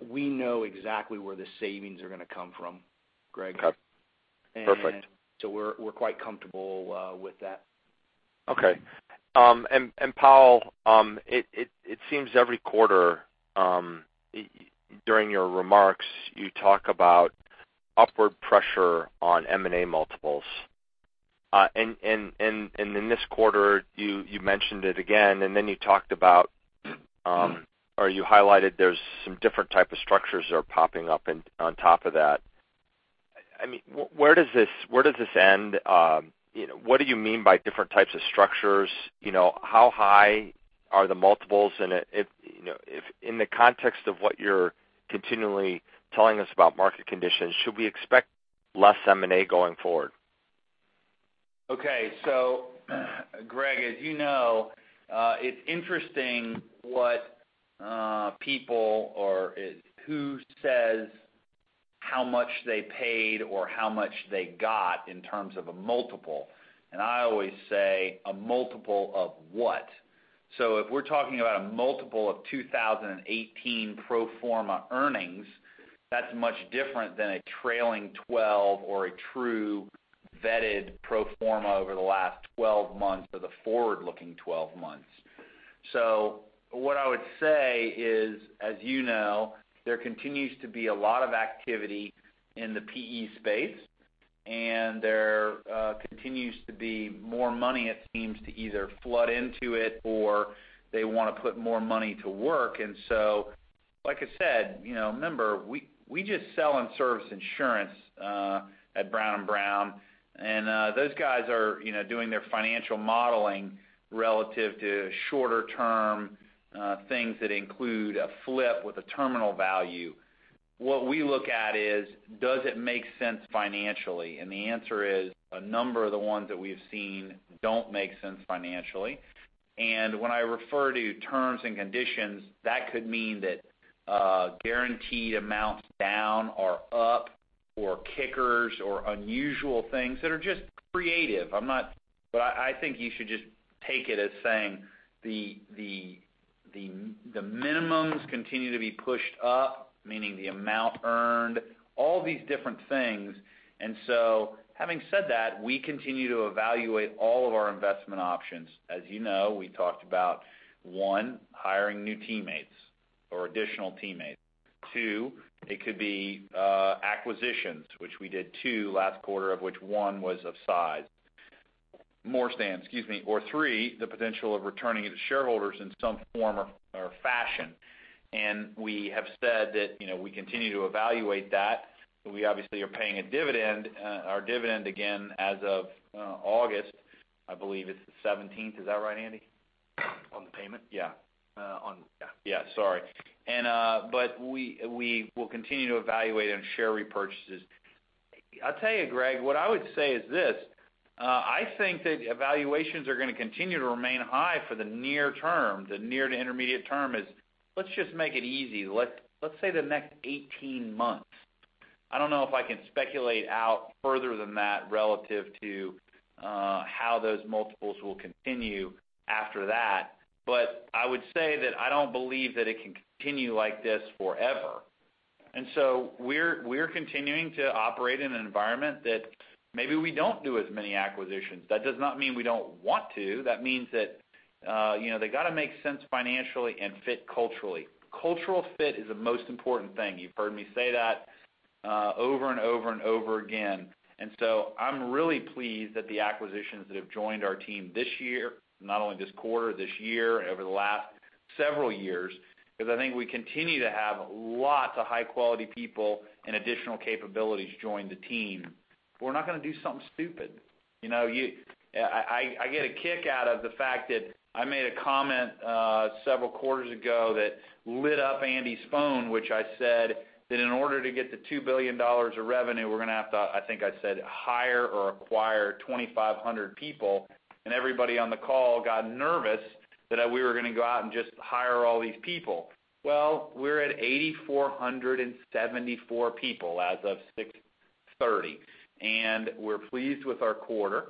We know exactly where the savings are going to come from, Greg. Okay. Perfect. We're quite comfortable with that. Okay. Powell, it seems every quarter during your remarks, you talk about upward pressure on M&A multiples. In this quarter you mentioned it again, then you talked about or you highlighted there's some different type of structures that are popping up on top of that. Where does this end? What do you mean by different types of structures? How high are the multiples? In the context of what you're continually telling us about market conditions, should we expect less M&A going forward? Okay. Greg, as you know, it's interesting what people or who says how much they paid or how much they got in terms of a multiple. I always say a multiple of what? If we're talking about a multiple of 2018 pro forma earnings, that's much different than a trailing 12 or a true vetted pro forma over the last 12 months or the forward-looking 12 months. What I would say is, as you know, there continues to be a lot of activity in the PE space, there continues to be more money it seems to either flood into it or they want to put more money to work. Like I said, remember, we just sell and service insurance at Brown & Brown. Those guys are doing their financial modeling relative to shorter term things that include a flip with a terminal value. What we look at is, does it make sense financially? The answer is, a number of the ones that we've seen don't make sense financially. When I refer to terms and conditions, that could mean that guaranteed amounts down or up or kickers or unusual things that are just creative. I think you should just take it as saying the minimums continue to be pushed up, meaning the amount earned, all these different things. Having said that, we continue to evaluate all of our investment options. As you know, we talked about 1, hiring new teammates or additional teammates. 2, it could be acquisitions, which we did 2 last quarter, of which 1 was of size. Morstan, excuse me. 3, the potential of returning it to shareholders in some form or fashion. We have said that we continue to evaluate that. We obviously are paying our dividend again as of August. I believe it's the 17th. Is that right, Andy? On the payment? Yeah. Yeah. Yeah, sorry. We will continue to evaluate on share repurchases. I'll tell you, Greg, what I would say is this. I think that evaluations are going to continue to remain high for the near term, the near to intermediate term is Let's just make it easy. Let's say the next 18 months. I don't know if I can speculate out further than that relative to how those multiples will continue after that. I would say that I don't believe that it can continue like this forever. We're continuing to operate in an environment that maybe we don't do as many acquisitions. That does not mean we don't want to. That means that they got to make sense financially and fit culturally. Cultural fit is the most important thing. You've heard me say that over and over and over again. I'm really pleased that the acquisitions that have joined our team this year, not only this quarter, this year, over the last several years, because I think we continue to have lots of high-quality people and additional capabilities join the team. We're not going to do something stupid. I get a kick out of the fact that I made a comment several quarters ago that lit up Andy's phone, which I said, that in order to get the $2 billion of revenue, we're going to have to, I think I said, hire or acquire 2,500 people, and everybody on the call got nervous that we were going to go out and just hire all these people. Well, we're at 8,474 people as of 6/30. We're pleased with our quarter.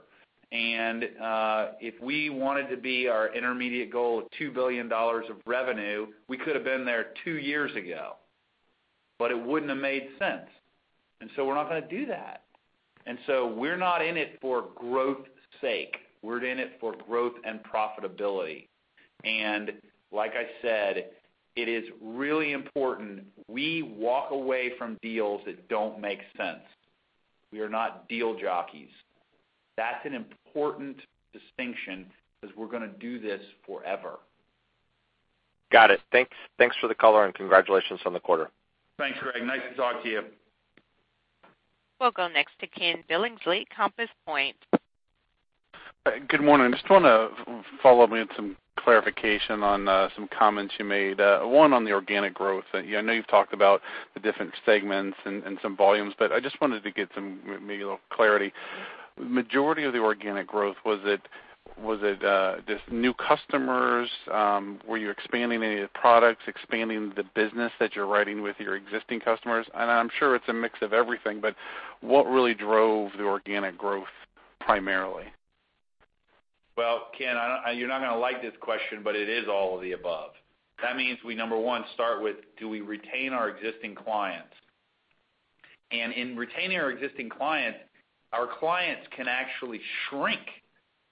If we wanted to be our intermediate goal of $2 billion of revenue, we could have been there two years ago, it wouldn't have made sense. We're not going to do that. We're not in it for growth's sake. We're in it for growth and profitability. Like I said, it is really important we walk away from deals that don't make sense. We are not deal jockeys. That's an important distinction because we're going to do this forever. Got it. Thanks for the color. Congratulations on the quarter. Thanks, Greg. Nice to talk to you. We'll go next to Ken Billingsley, Compass Point. Good morning. Just want to follow up with some clarification on some comments you made. One, on the organic growth. I know you've talked about the different segments and some volumes, but I just wanted to get maybe a little clarity. Majority of the organic growth, was it just new customers? Were you expanding any of the products, expanding the business that you're writing with your existing customers? I'm sure it's a mix of everything, but what really drove the organic growth primarily? Well, Ken, you're not going to like this question, but it is all of the above. That means we, number one, start with, do we retain our existing clients? In retaining our existing clients, our clients can actually shrink,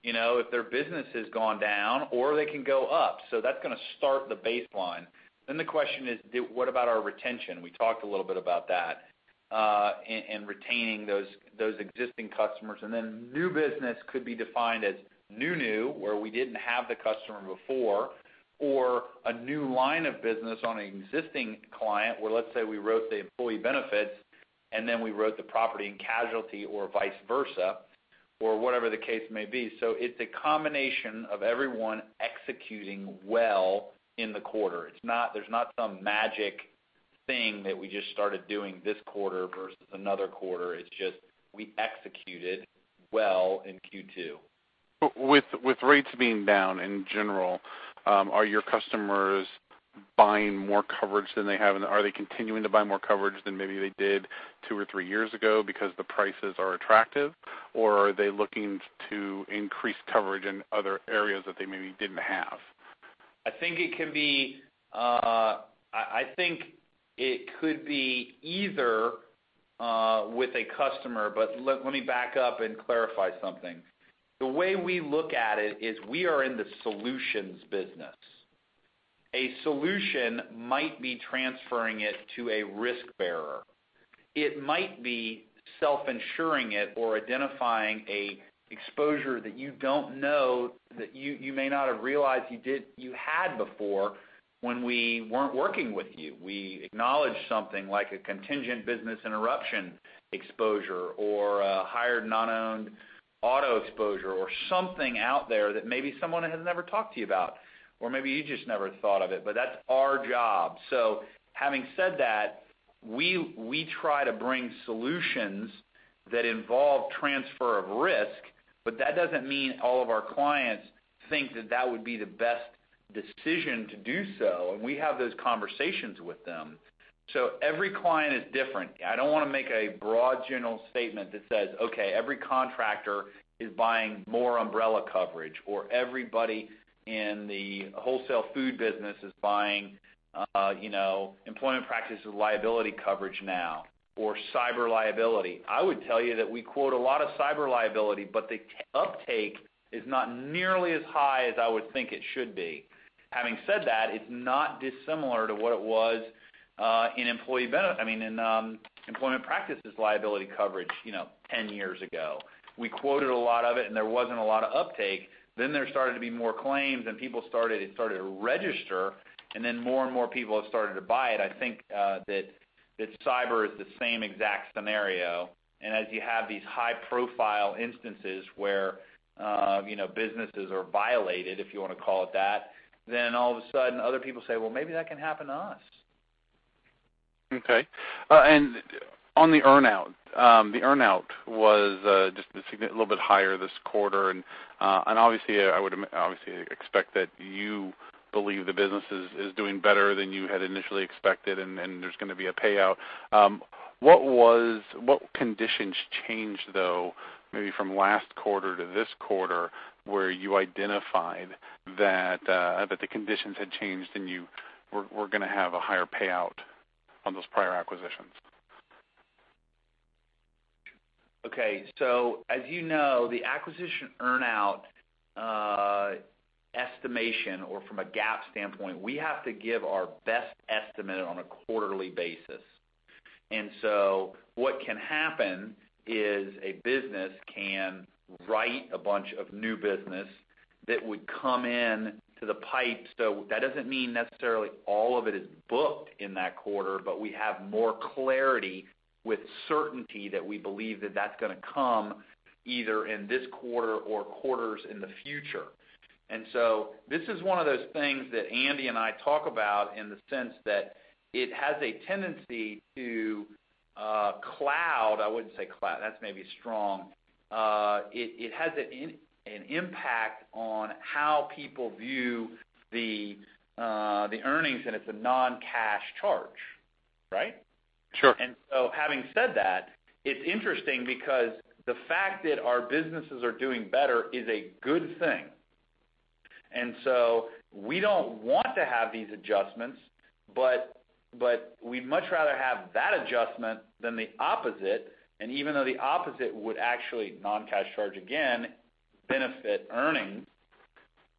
if their business has gone down or they can go up. That's going to start the baseline. The question is, what about our retention? We talked a little bit about that, and retaining those existing customers. New business could be defined as new, where we didn't have the customer before, or a new line of business on an existing client where, let's say, we wrote the employee benefits and then we wrote the property and casualty or vice versa, or whatever the case may be. It's a combination of everyone executing well in the quarter. There's not some magic thing that we just started doing this quarter versus another quarter. It's just we executed well in Q2. With rates being down in general, are your customers buying more coverage than they have, and are they continuing to buy more coverage than maybe they did two or three years ago because the prices are attractive? Or are they looking to increase coverage in other areas that they maybe didn't have? I think it could be either with a customer, but let me back up and clarify something. The way we look at it is we are in the solutions business. A solution might be transferring it to a risk bearer. It might be self-insuring it or identifying a exposure that you don't know, that you may not have realized you had before when we weren't working with you. We acknowledge something like a contingent business interruption exposure or a hired non-owned auto exposure or something out there that maybe someone has never talked to you about, or maybe you just never thought of it. That's our job. Having said that, we try to bring solutions that involve transfer of risk, but that doesn't mean all of our clients think that that would be the best decision to do so. We have those conversations with them. Every client is different. I don't want to make a broad general statement that says, okay, every contractor is buying more umbrella coverage, or everybody in the wholesale food business is buying employment practices liability coverage now, or cyber liability. I would tell you that we quote a lot of cyber liability, but the uptake is not nearly as high as I would think it should be. Having said that, it's not dissimilar to what it was in employment practices liability coverage 10 years ago. We quoted a lot of it, and there wasn't a lot of uptake. There started to be more claims, and it started to register, and then more and more people have started to buy it. I think that cyber is the same exact scenario. As you have these high-profile instances where businesses are violated, if you want to call it that, all of a sudden other people say, "Well, maybe that can happen to us. Okay. On the earn-out. The earn-out was just a little bit higher this quarter, and I would obviously expect that you believe the business is doing better than you had initially expected, and there's going to be a payout. What conditions changed though, maybe from last quarter to this quarter, where you identified that the conditions had changed and you were going to have a higher payout on those prior acquisitions? Okay. As you know, the acquisition earn-out estimation or from a GAAP standpoint, we have to give our best estimate on a quarterly basis. What can happen is a business can write a bunch of new business that would come in to the pipe. That doesn't mean necessarily all of it is booked in that quarter, but we have more clarity with certainty that we believe that that's going to come, either in this quarter or quarters in the future. This is one of those things that Andy and I talk about in the sense that it has a tendency to cloud, I wouldn't say cloud, that's maybe strong. It has an impact on how people view the earnings, and it's a non-cash charge, right? Sure. Having said that, it's interesting because the fact that our businesses are doing better is a good thing. We don't want to have these adjustments, but we'd much rather have that adjustment than the opposite. Even though the opposite would actually, non-cash charge again, benefit earnings,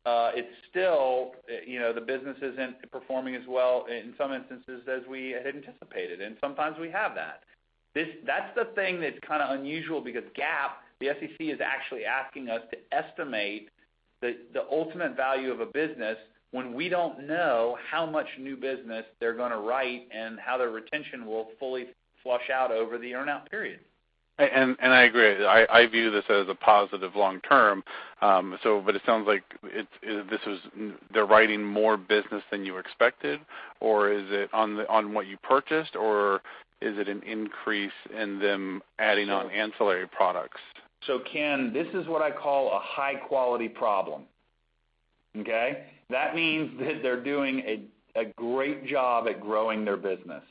it's still the business isn't performing as well in some instances as we had anticipated, and sometimes we have that. That's the thing that's kind of unusual because GAAP, the SEC is actually asking us to estimate the ultimate value of a business when we don't know how much new business they're going to write and how their retention will fully flush out over the earn-out period. I agree. I view this as a positive long term. It sounds like they're writing more business than you expected, or is it on what you purchased or is it an increase in them adding on ancillary products? Ken, this is what I call a high-quality problem. Okay? That means that they're doing a great job at growing their business.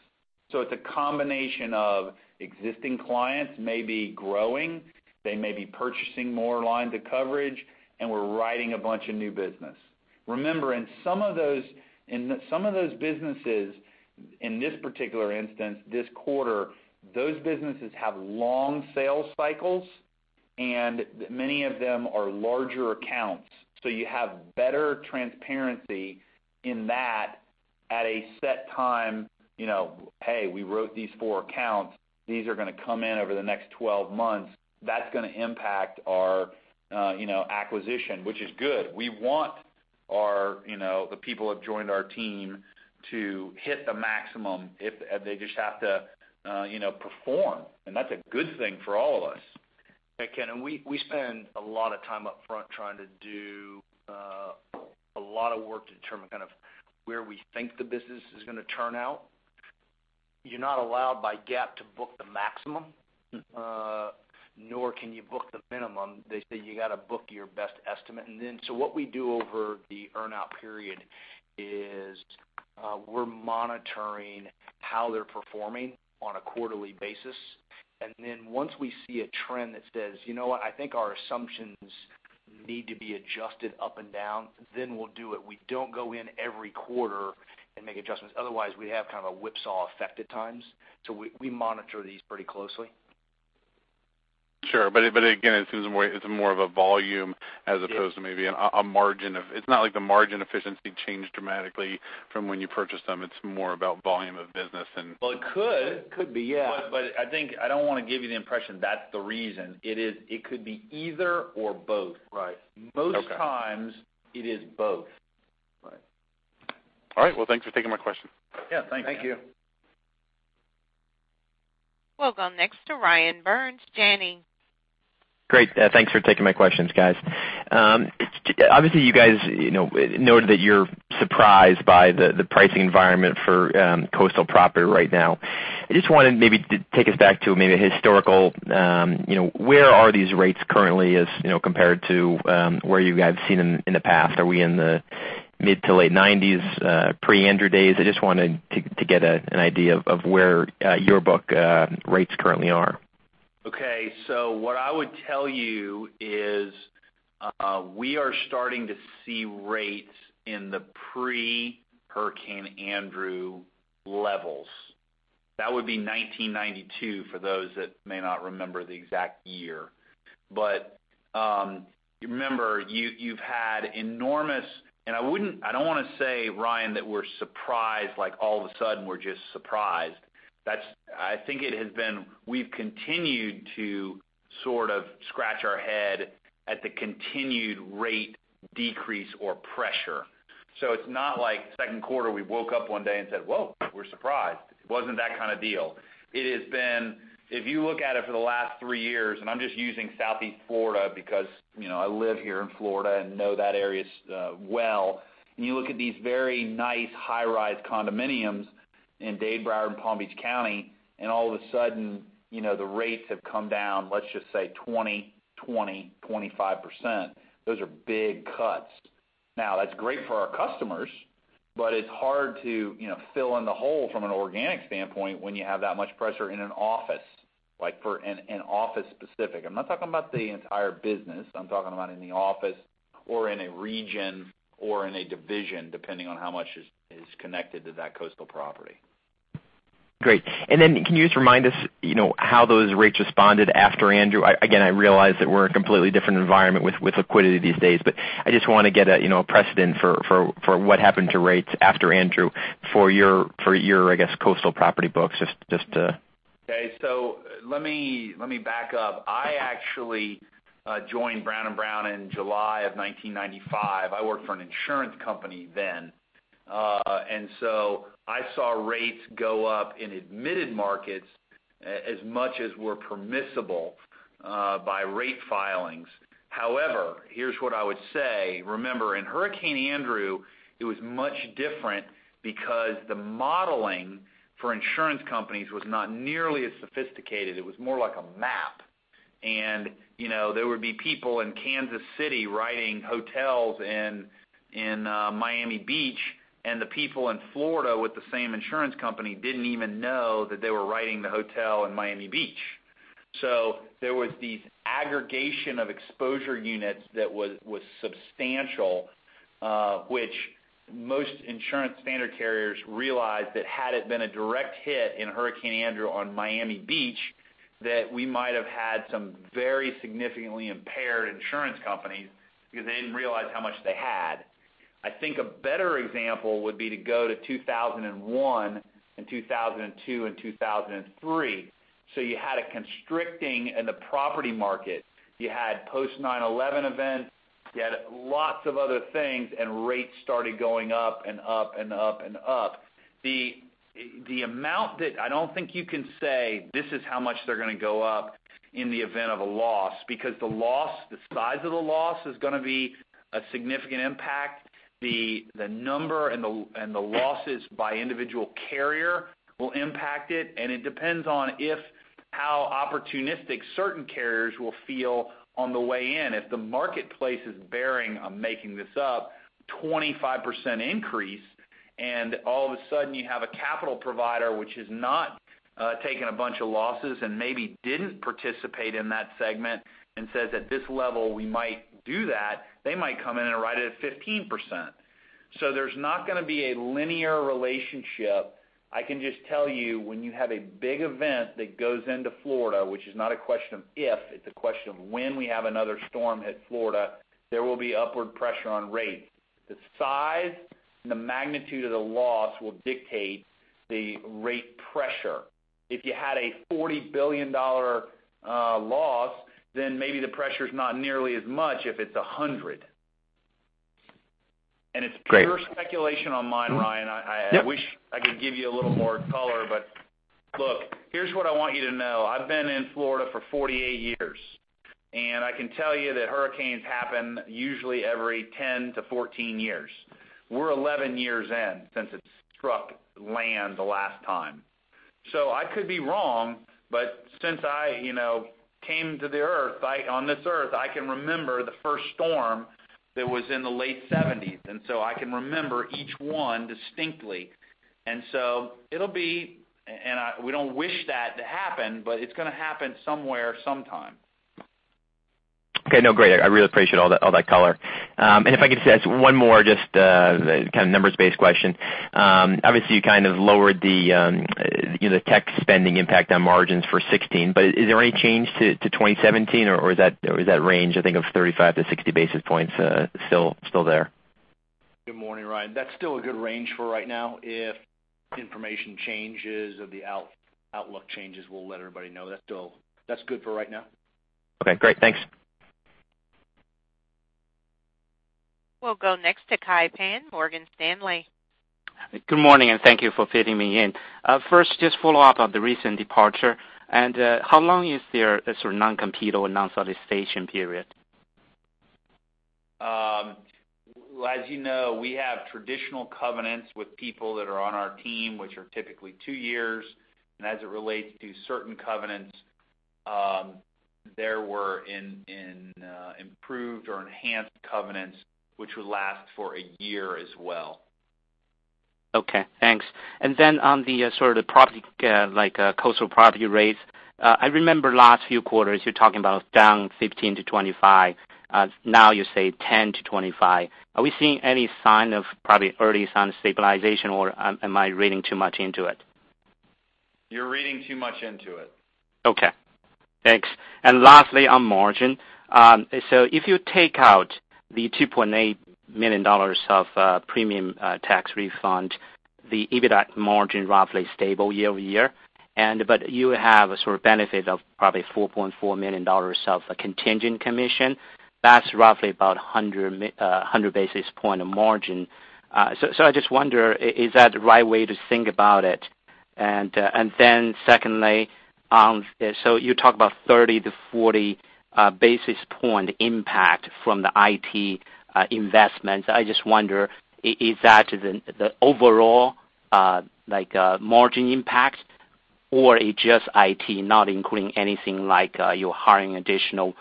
It's a combination of existing clients may be growing, they may be purchasing more lines of coverage, and we're writing a bunch of new business. Remember, in some of those businesses, in this particular instance, this quarter, those businesses have long sales cycles and many of them are larger accounts. You have better transparency in that at a set time, "Hey, we wrote these four accounts. These are going to come in over the next 12 months." That's going to impact our acquisition, which is good. We want the people who have joined our team to hit the maximum. They just have to perform, and that's a good thing for all of us. Hey, Ken, we spend a lot of time up front trying to do a lot of work to determine kind of where we think the business is going to turn out. You're not allowed by GAAP to book the maximum, nor can you book the minimum. They say you got to book your best estimate. What we do over the earn-out period is, we're monitoring how they're performing on a quarterly basis. Once we see a trend that says, "You know what? I think our assumptions need to be adjusted up and down," then we'll do it. We don't go in every quarter and make adjustments. Otherwise, we have kind of a whipsaw effect at times. We monitor these pretty closely. Sure. Again, it seems it's more of a volume as opposed to maybe a margin of. It's not like the margin efficiency changed dramatically from when you purchased them. It's more about volume of business. Well, it could. Could be, yeah. I think I don't want to give you the impression that's the reason. It could be either or both. Right. Okay. Most times it is both. Right. All right. Well, thanks for taking my question. Yeah. Thanks. Thank you. We'll go next to Ryan. Janney. Great. Thanks for taking my questions, guys. Obviously, you guys noted that you're surprised by the pricing environment for coastal property right now. Where are these rates currently as compared to where you guys have seen them in the past? Are we in the mid to late 90s, pre-Hurricane Andrew days? I just wanted to get an idea of where your book rates currently are. Okay. What I would tell you is, we are starting to see rates in the pre-Hurricane Andrew levels. That would be 1992 for those that may not remember the exact year. Remember, you've had enormous, and I don't want to say, Ryan, that we're surprised, like all of a sudden we're just surprised. We've continued to sort of scratch our head at the continued rate decrease or pressure. It's not like second quarter, we woke up one day and said, "Whoa, we're surprised." It wasn't that kind of deal. If you look at it for the last three years, and I'm just using Southeast Florida because I live here in Florida and know that area well, and you look at these very nice high-rise condominiums in Dade, Broward, and Palm Beach County, and all of a sudden, the rates have come down, let's just say 20%-25%. Those are big cuts. Now, that's great for our customers. It's hard to fill in the hole from an organic standpoint when you have that much pressure in an office, like for an office specific. I'm not talking about the entire business, I'm talking about in the office or in a region or in a division, depending on how much is connected to that coastal property. Great. Can you just remind us how those rates responded after Hurricane Andrew? Again, I realize that we're in a completely different environment with liquidity these days, I just want to get a precedent for what happened to rates after Hurricane Andrew for your, I guess, coastal property books, just to Okay. Let me back up. I actually joined Brown & Brown in July of 1995. I worked for an insurance company then. I saw rates go up in admitted markets as much as were permissible by rate filings. However, here's what I would say. Remember, in Hurricane Andrew, it was much different because the modeling for insurance companies was not nearly as sophisticated. It was more like a map. There would be people in Kansas City riding hotels in Miami Beach, and the people in Florida with the same insurance company didn't even know that they were riding the hotel in Miami Beach. There was these aggregation of exposure units that was substantial, which most insurance standard carriers realized that had it been a direct hit in Hurricane Andrew on Miami Beach, that we might have had some very significantly impaired insurance companies because they didn't realize how much they had. I think a better example would be to go to 2001 and 2002 and 2003. You had a constricting in the property market. You had post 9/11 events, you had lots of other things, rates started going up and up and up and up. I don't think you can say, "This is how much they're going to go up in the event of a loss," because the size of the loss is going to be a significant impact. The number and the losses by individual carrier will impact it depends on how opportunistic certain carriers will feel on the way in. If the marketplace is bearing, I'm making this up, a 25% increase, all of a sudden you have a capital provider, which has not taken a bunch of losses and maybe didn't participate in that segment and says, "At this level, we might do that," they might come in and write it at 15%. There's not going to be a linear relationship. I can just tell you, when you have a big event that goes into Florida, which is not a question of if, it's a question of when we have another storm hit Florida, there will be upward pressure on rates. The size and the magnitude of the loss will dictate the rate pressure. If you had a $40 billion loss, maybe the pressure's not nearly as much if it's $100 billion. Great. It's pure speculation on mine, Ryan. Yep. I wish I could give you a little more color, but look, here's what I want you to know. I've been in Florida for 48 years, and I can tell you that hurricanes happen usually every 10-14 years. We're 11 years in since it struck land the last time. I could be wrong, but since I came to the Earth, on this Earth, I can remember the first storm that was in the late '70s. I can remember each one distinctly. It'll be, and we don't wish that to happen, but it's going to happen somewhere, sometime. Okay. No, great. I really appreciate all that color. If I could just ask one more just kind of numbers-based question. Obviously, you kind of lowered the tech spending impact on margins for 2016, but is there any change to 2017, or is that range, I think of 35-60 basis points, still there? Good morning, Ryan. That's still a good range for right now. If information changes or the outlook changes, we'll let everybody know. That's good for right now. Okay, great. Thanks. We'll go next to Kai Pan, Morgan Stanley. Good morning, and thank you for fitting me in. First, just follow up on the recent departure. How long is their sort of non-compete or non-solicitation period? As you know, we have traditional covenants with people that are on our team, which are typically two years. As it relates to certain covenants, there were improved or enhanced covenants, which will last for a year as well. Okay, thanks. On the sort of the coastal property rates, I remember last few quarters, you're talking about down 15%-25%. Now you say 10%-25%. Are we seeing any sign of probably early sign of stabilization, or am I reading too much into it? You're reading too much into it. Okay, thanks. Lastly, on margin. If you take out the $2.8 million of premium tax refund, the EBITDAC margin roughly stable year-over-year. You have a sort of benefit of probably $4.4 million of a contingent commission. That's roughly about 100 basis points of margin. I just wonder, is that the right way to think about it? Secondly, you talk about 30-40 basis points impact from the IT investment. I just wonder, is that the overall margin impact? Or is it just IT, not including anything like you're hiring additional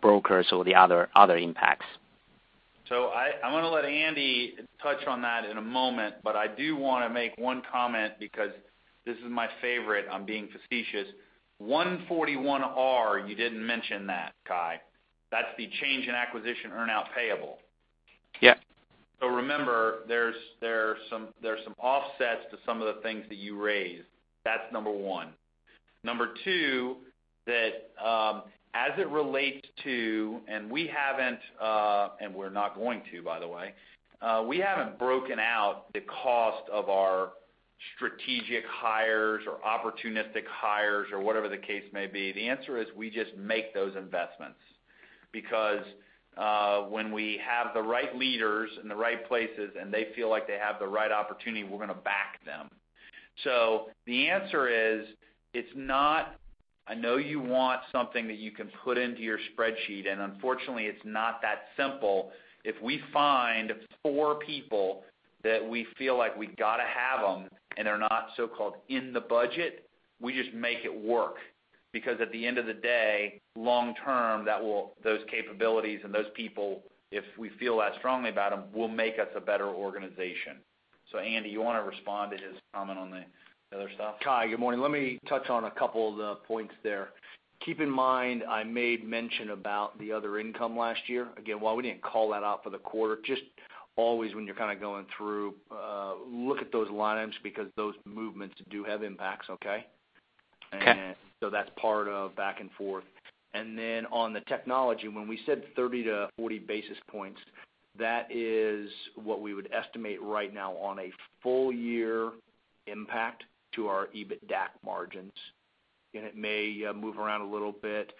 brokers or the other impacts? I'm going to let Andy touch on that in a moment, but I do want to make one comment because this is my favorite. I'm being facetious. 141R, you didn't mention that, Kai. That's the change in acquisition earn-out payable. Yes. Remember, there's some offsets to some of the things that you raised. That's number one. Number two, as it relates to, and we haven't, and we're not going to, by the way, we haven't broken out the cost of our strategic hires or opportunistic hires or whatever the case may be. The answer is we just make those investments because when we have the right leaders in the right places and they feel like they have the right opportunity, we're going to back them. The answer is, I know you want something that you can put into your spreadsheet, and unfortunately, it's not that simple. If we find four people that we feel like we've got to have them and they're not so-called in the budget, we just make it work. At the end of the day, long term, those capabilities and those people, if we feel that strongly about them, will make us a better organization. Andy, you want to respond to his comment on the other stuff? Kai, good morning. Let me touch on a couple of the points there. Keep in mind, I made mention about the other income last year. While we didn't call that out for the quarter, just always when you're kind of going through, look at those line items because those movements do have impacts, okay? Okay. That's part of back and forth. On the technology, when we said 30 to 40 basis points, that is what we would estimate right now on a full year impact to our EBITDAC margins. It may move around a little bit,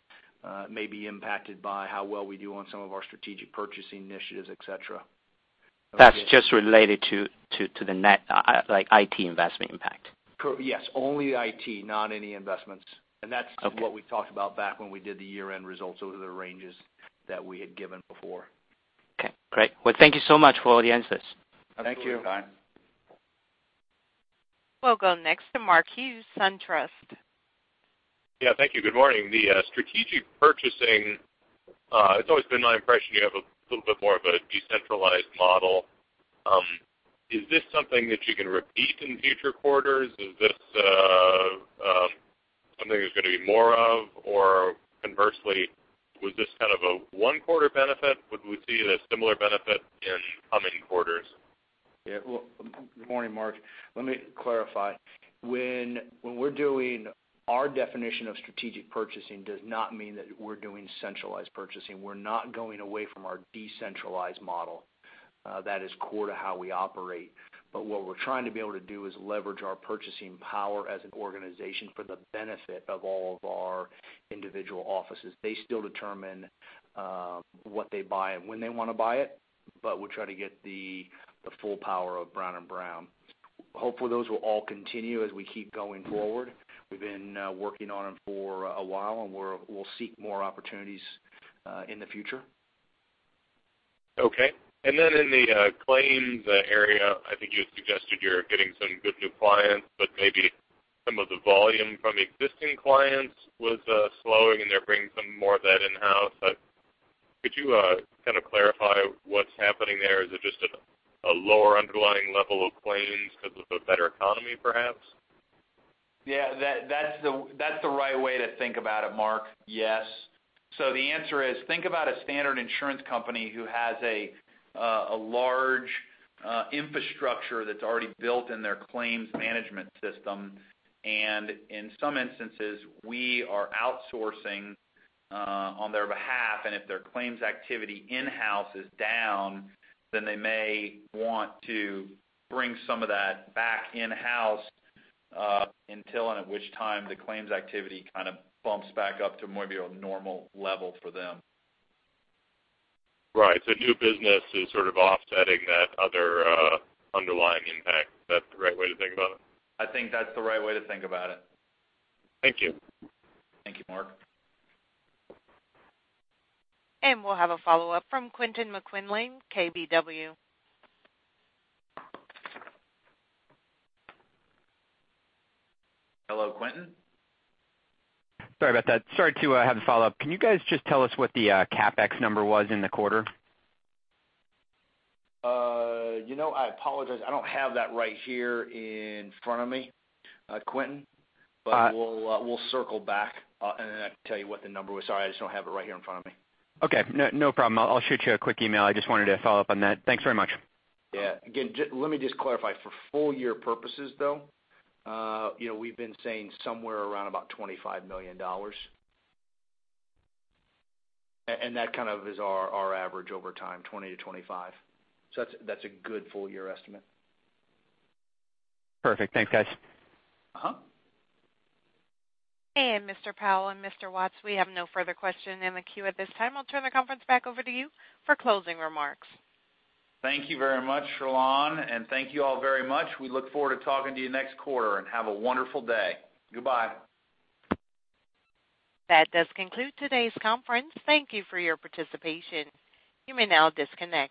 it may be impacted by how well we do on some of our strategic purchasing initiatives, et cetera. That's just related to the net IT investment impact. Yes. Only IT, not any investments. Okay. That's what we talked about back when we did the year-end results. Those are the ranges that we had given before. Okay, great. Well, thank you so much for all the answers. Thank you, Kai. We'll go next to Mark Hughes, SunTrust. Yeah, thank you. Good morning. The strategic purchasing, it's always been my impression you have a little bit more of a decentralized model. Is this something that you can repeat in future quarters? Is this something there's going to be more of? Or conversely, was this kind of a one quarter benefit? Would we see the similar benefit in coming quarters? Yeah. Well, good morning, Mark. Let me clarify. When we're doing our definition of strategic purchasing does not mean that we're doing centralized purchasing. We're not going away from our decentralized model. That is core to how we operate. What we're trying to be able to do is leverage our purchasing power as an organization for the benefit of all of our individual offices. They still determine what they buy and when they want to buy it, but we try to get the full power of Brown & Brown. Hopefully, those will all continue as we keep going forward. We've been working on them for a while, and we'll seek more opportunities in the future. Okay. Then in the claims area, I think you had suggested you're getting some good new clients, but maybe some of the volume from existing clients was slowing and they're bringing some more of that in-house. Could you kind of clarify what's happening there? Is it just a lower underlying level of claims because of a better economy, perhaps? Yeah, that's the right way to think about it, Mark. Yes. The answer is, think about a standard insurance company who has a large infrastructure that's already built in their claims management system. In some instances, we are outsourcing on their behalf, and if their claims activity in-house is down, then they may want to bring some of that back in-house, until and at which time the claims activity kind of bumps back up to more of your normal level for them. Right. New business is sort of offsetting that other underlying impact. Is that the right way to think about it? I think that's the right way to think about it. Thank you. Thank you, Mark. We'll have a follow-up from Quentin McMillan, KBW. Hello, Quentin. Sorry about that. Sorry to have the follow-up. Can you guys just tell us what the CapEx number was in the quarter? I apologize. I don't have that right here in front of me, Quentin. All right. We'll circle back, and then I can tell you what the number was. Sorry, I just don't have it right here in front of me. Okay, no problem. I'll shoot you a quick email. I just wanted to follow up on that. Thanks very much. Yeah. Again, let me just clarify. For full year purposes, though, we've been saying somewhere around about $25 million. That kind of is our average over time, $20 million-$25 million. That's a good full year estimate. Perfect. Thanks, guys. Mr. Powell and Mr. Watts, we have no further question in the queue at this time. I'll turn the conference back over to you for closing remarks. Thank you very much, Shalon, and thank you all very much. We look forward to talking to you next quarter, and have a wonderful day. Goodbye. That does conclude today's conference. Thank you for your participation. You may now disconnect.